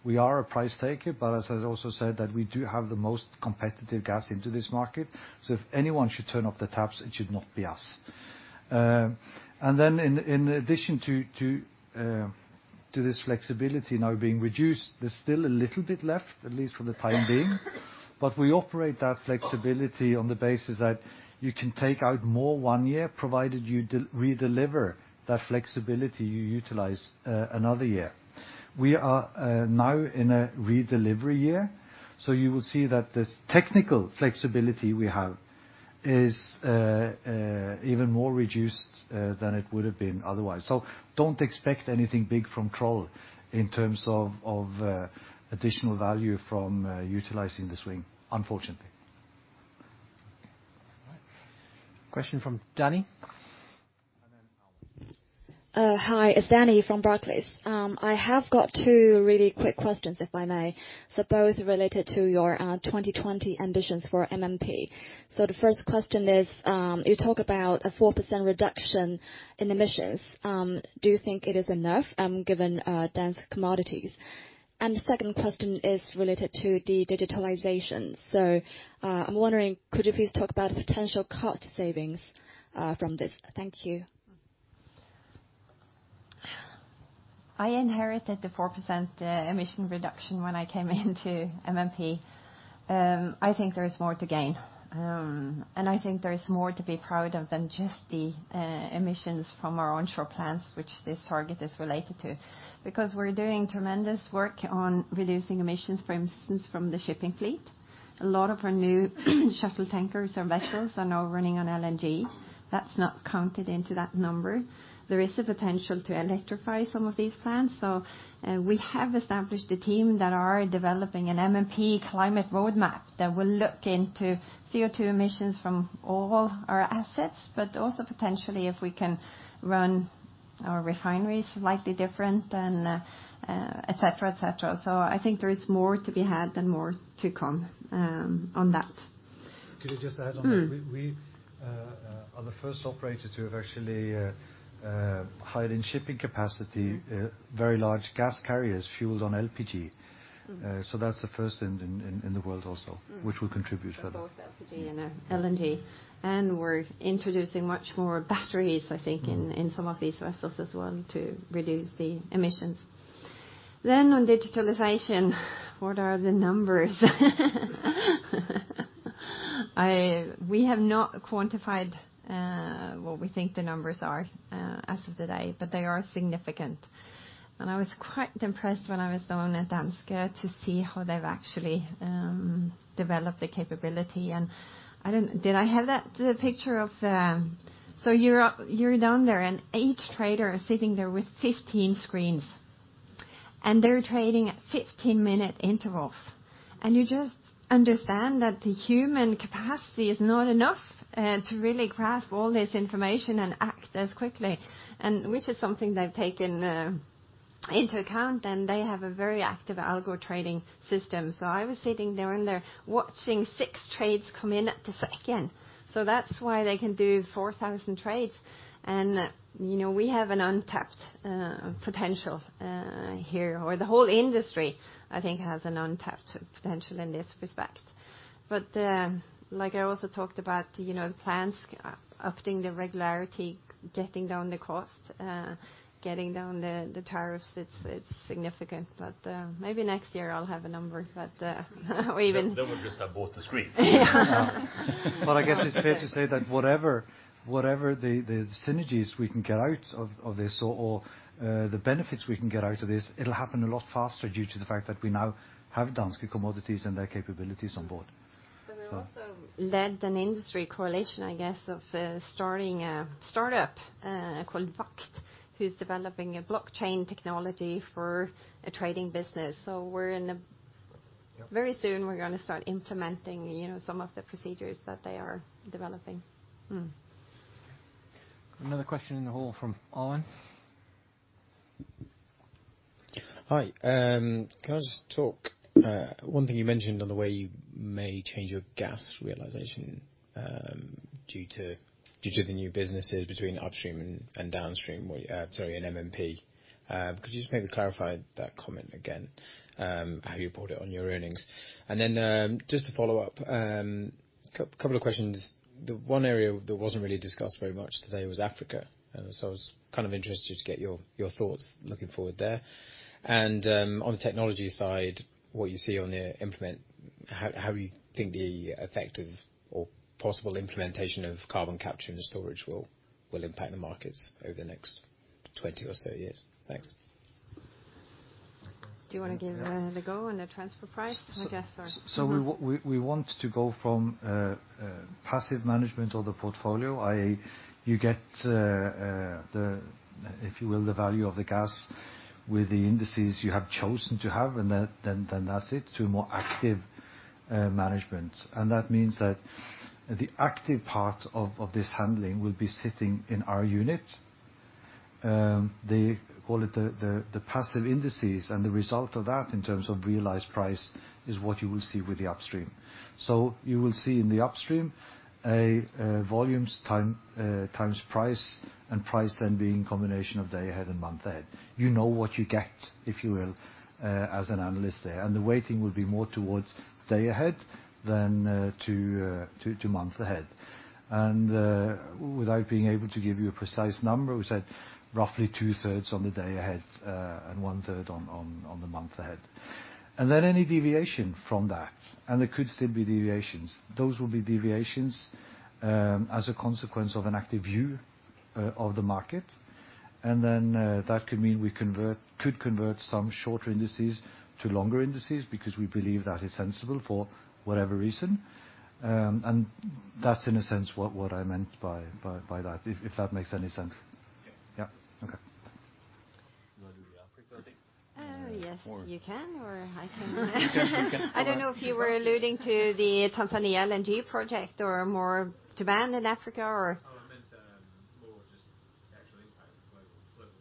We are a price taker, but as I also said, that we do have the most competitive gas into this market. If anyone should turn off the taps, it should not be us. In addition to this flexibility now being reduced, there's still a little bit left, at least for the time being. We operate that flexibility on the basis that you can take out more one year, provided you de-redeliver that flexibility you utilize another year. We are now in a redelivery year, so you will see that the technical flexibility we have is even more reduced than it would have been otherwise. Don't expect anything big from Troll in terms of additional value from utilizing the swing, unfortunately. Question from Danny. Alan. Hi. It's Danny from Barclays. I have got two really quick questions, if I may. Both related to your 2020 ambitions for MMP. The first question is, you talk about a 4% reduction in emissions. Do you think it is enough, given Danske Commodities? The second question is related to the digitalizations. I'm wondering, could you please talk about potential cost savings, from this? Thank you. I inherited the 4% emission reduction when I came into MMP. I think there is more to gain. I think there is more to be proud of than just the emissions from our onshore plants, which this target is related to. Because we're doing tremendous work on reducing emissions for instance from the shipping fleet. A lot of our new shuttle tankers or vessels are now running on LNG. That's not counted into that number. There is the potential to electrify some of these plants. We have established a team that are developing an MMP climate roadmap that will look into CO2 emissions from all our assets. Also potentially if we can run our refineries slightly different than, et cetera. I think there is more to be had and more to come on that. Could I just add on that? Mm-hmm. We are the first operator to have actually hired shipping capacity, very large gas carriers fueled on LPG. Mm-hmm. That's the first in the world also. Mm-hmm. Which will contribute further. For both LPG and LNG. We're introducing much more batteries, I think. Mm-hmm. In some of these vessels as well to reduce the emissions. On digitalization, what are the numbers? We have not quantified what we think the numbers are as of today, but they are significant. I was quite impressed when I was down at Danske to see how they've actually developed the capability. So you're down there and each trader is sitting there with 15 screens. They're trading at 15-minute intervals. You just understand that the human capacity is not enough to really grasp all this information and act as quickly. Which is something they've taken into account, and they have a very active algo trading system. I was sitting there and they're watching 6 trades come in per second. That's why they can do 4,000 trades. You know, we have an untapped potential here, or the whole industry, I think has an untapped potential in this respect. Like I also talked about, you know, the plans upping the regularity, getting down the cost, getting down the tariffs, it's significant. Maybe next year I'll have a number, but or even. They will just have bought the screen. Yeah. I guess it's fair to say that whatever the synergies we can get out of this or the benefits we can get out of this, it'll happen a lot faster due to the fact that we now have Danske Commodities and their capabilities on board. We also led an industry collaboration, I guess, of starting a startup called VAKT, who's developing a blockchain technology for a trading business. We're in a Yep. Very soon we're gonna start implementing, you know, some of the procedures that they are developing. Another question in the hall from Owen. Hi. Can I just talk one thing you mentioned on the way you may change your gas realization, due to the new businesses between upstream and downstream, in MMP. Could you just maybe clarify that comment again, how you brought it on your earnings? Then, just to follow up, couple of questions. The one area that wasn't really discussed very much today was Africa. So I was kind of interested to get your thoughts looking forward there. On the technology side, what you see on the implementation, how you think the effect of or possible implementation of carbon capture and storage will impact the markets over the next 20 or so years? Thanks. Do you wanna give Yeah. Give it a go on the transfer price? I guess or. We want to go from passive management of the portfolio, i.e. you get the value of the gas with the indices you have chosen to have, and then that's it, to a more active management. That means that the active part of this handling will be sitting in our unit. They call it the passive indices, and the result of that in terms of realized price is what you will see with the upstream. You will see in the upstream a volumes times price, and price then being a combination of day ahead and month ahead. You know what you get, if you will, as an analyst there. The weighting will be more towards day ahead than to month ahead. Without being able to give you a precise number, we said roughly two-thirds on the day ahead, and one-third on the month ahead. Any deviation from that, and there could still be deviations as a consequence of an active view of the market. That could mean we could convert some shorter indices to longer indices because we believe that is sensible for whatever reason. That's in a sense what I meant by that, if that makes any sense. Yeah. Yeah. Okay. You wanna do the Africa thing? Yes. Or You can or I can. You can. I don't know if you were alluding to the Tanzania LNG project or more demand in Africa or? Oh, I meant more just actual impact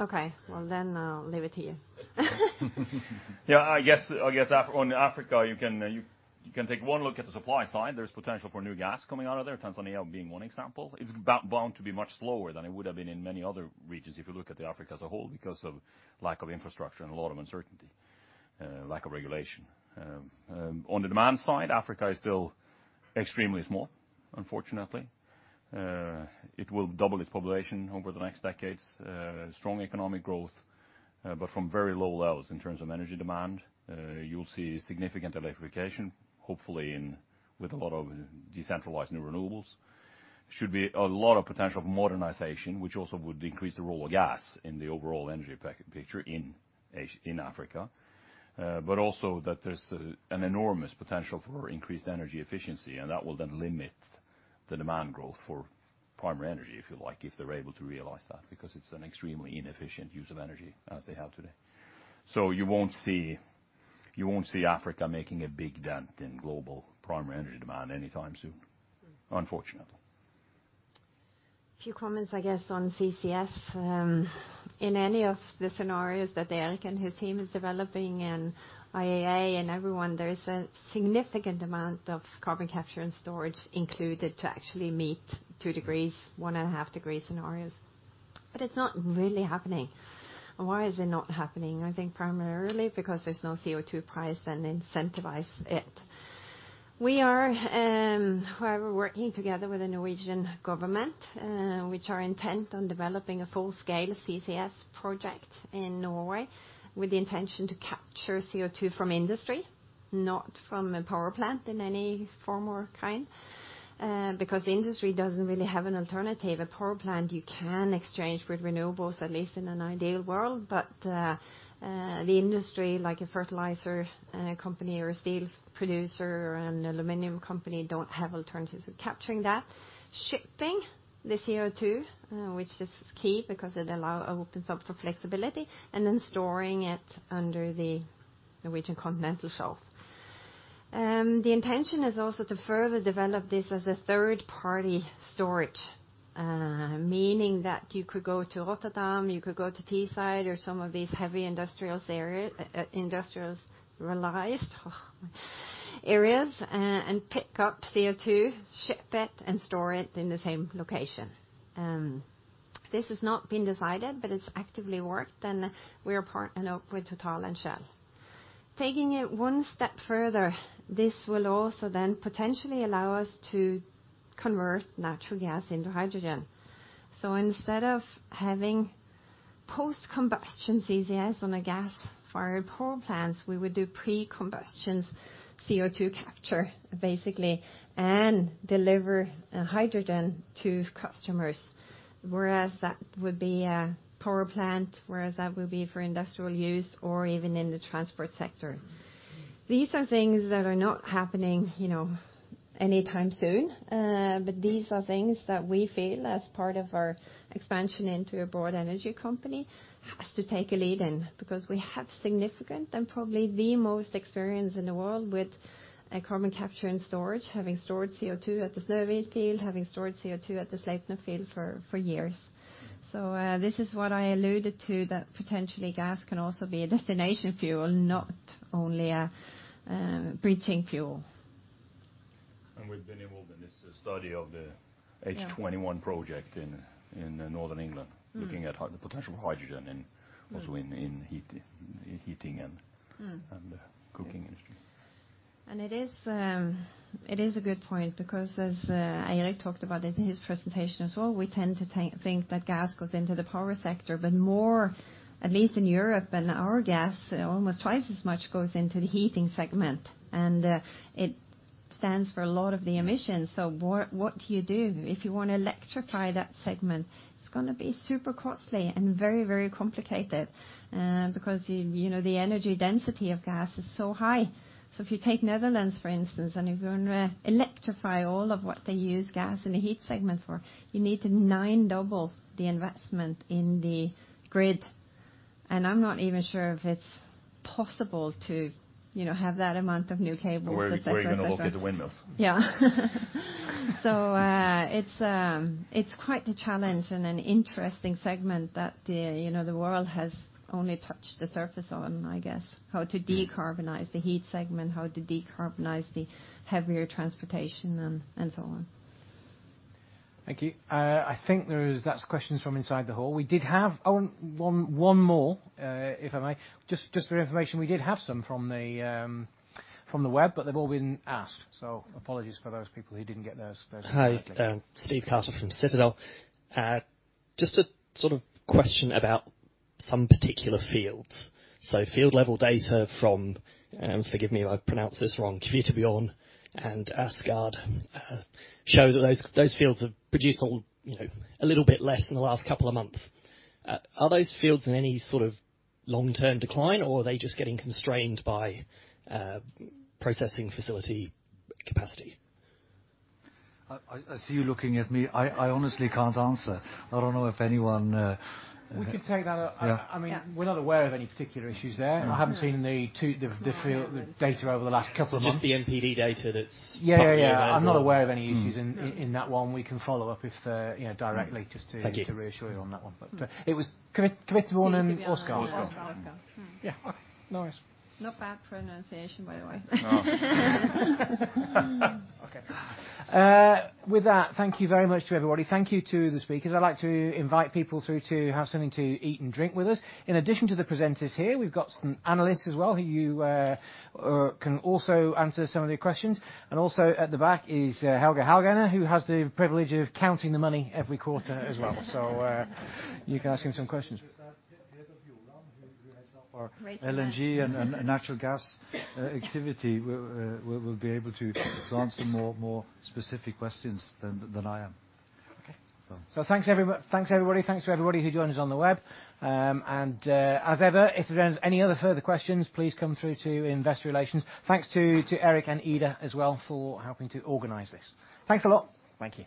of global demand. Okay. Well, then I'll leave it to you. Yeah. I guess on Africa you can. You can take one look at the supply side, there's potential for new gas coming out of there, Tanzania being one example. It's bound to be much slower than it would have been in many other regions if you look at Africa as a whole because of lack of infrastructure and a lot of uncertainty, lack of regulation. On the demand side, Africa is still extremely small, unfortunately. It will double its population over the next decades. Strong economic growth, but from very low levels in terms of energy demand. You'll see significant electrification, hopefully with a lot of decentralized new renewables. There should be a lot of potential for modernization, which also would increase the role of gas in the overall energy picture in Africa. also that there's an enormous potential for increased energy efficiency, and that will then limit the demand growth for primary energy, if you like, if they're able to realize that, because it's an extremely inefficient use of energy as they have today. You won't see Africa making a big dent in global primary energy demand anytime soon, unfortunately. A few comments, I guess, on CCS. In any of the scenarios that Eirik and his team is developing and IEA and everyone, there is a significant amount of carbon capture and storage included to actually meet two degrees, 1.5-degree scenarios. It's not really happening. Why is it not happening? I think primarily because there's no CO2 price to incentivize it. We are, however, working together with the Norwegian government, which is intent on developing a full-scale CCS project in Norway with the intention to capture CO2 from industry, not from a power plant in any form or kind, because the industry doesn't really have an alternative. A power plant you can exchange with renewables, at least in an ideal world, but the industry, like a fertilizer company or a steel producer and aluminum company don't have alternatives of capturing that. Shipping the CO2, which is key because it allows opens up for flexibility, and then storing it under the Norwegian Continental Shelf. The intention is also to further develop this as a third-party storage, meaning that you could go to Rotterdam, you could go to Teesside or some of these heavy industrialized areas, and pick up CO2, ship it, and store it in the same location. This has not been decided, but it's actively worked, and we are partnering up with Total and Shell. Taking it one step further, this will also then potentially allow us to convert natural gas into hydrogen. Instead of having post-combustion CCS on a gas-fired power plants, we would do pre-combustion CO2 capture, basically, and deliver hydrogen to customers. Whereas that would be a power plant, whereas that will be for industrial use or even in the transport sector. These are things that are not happening, you know, anytime soon, but these are things that we feel as part of our expansion into a broad energy company has to take a lead in because we have significant and probably the most experience in the world with a carbon capture and storage, having stored CO2 at the Snøhvit field, having stored CO2 at the Sleipner field for years. This is what I alluded to that potentially gas can also be a destination fuel, not only a, bridging fuel. We've been involved in this study. Yeah. H21 project in northern England. Mm. the potential of hydrogen and Mm. also in heating and Mm. cooking industry. It is a good point because as Eirik talked about it in his presentation as well, we tend to think that gas goes into the power sector, but more, at least in Europe and our gas, almost twice as much goes into the heating segment, and it stands for a lot of the emissions. What do you do if you wanna electrify that segment? It's gonna be super costly and very complicated, because, you know, the energy density of gas is so high. If you take Netherlands, for instance, and if you wanna electrify all of what they use gas in the heat segment for, you need to ninefold the investment in the grid. I'm not even sure if it's possible to, you know, have that amount of new cables, et cetera, et cetera. Where are you gonna look at the windows? It's quite a challenge and an interesting segment that, you know, the world has only touched the surface on, I guess, how to decarbonize the heat segment, how to decarbonize the heavier transportation, and so on. Thank you. I think that's questions from inside the hall. Oh, one more, if I may. Just for information, we did have some from the web, but they've all been asked. Apologies for those people who didn't get their questions asked. Hi. Steve Carter from Citadel. Just a sort of question about some particular fields. Field level data from, forgive me if I pronounce this wrong, Kvitebjørn and Åsgard, show that those fields have produced a little, you know, a little bit less in the last couple of months. Are those fields in any sort of long-term decline, or are they just getting constrained by processing facility capacity? I see you looking at me. I honestly can't answer. I don't know if anyone, We could take that up. Yeah. Yeah. I mean, we're not aware of any particular issues there. No. I haven't seen the field. No, I haven't. Data over the last couple of months. Just the NPD data that's. Yeah, yeah. Publicly available. I'm not aware of any issues in that one. We can follow up if the, you know, directly just to. Thank you. to reassure you on that one. It was Kvitebjørn and Åsgard. Kvitebjørn and Åsgard. Åsgard. Mm. Yeah. Okay. No worries. Not bad pronunciation, by the way. No. Okay. With that, thank you very much to everybody. Thank you to the speakers. I'd like to invite people through to have something to eat and drink with us. In addition to the presenters here, we've got some analysts as well who can also answer some of your questions. Also at the back is Helge Haugane, who has the privilege of counting the money every quarter as well. You can ask him some questions. Just ask head of Johan Castberg, who heads up our. Right LNG and natural gas activity. We'll be able to answer more specific questions than I am. Okay. Well- Thanks everybody. Thanks to everybody who joined us on the web. As ever, if there's any other further questions, please come through to Investor Relations. Thanks to Eirik and Ida as well for helping to organize this. Thanks a lot. Thank you.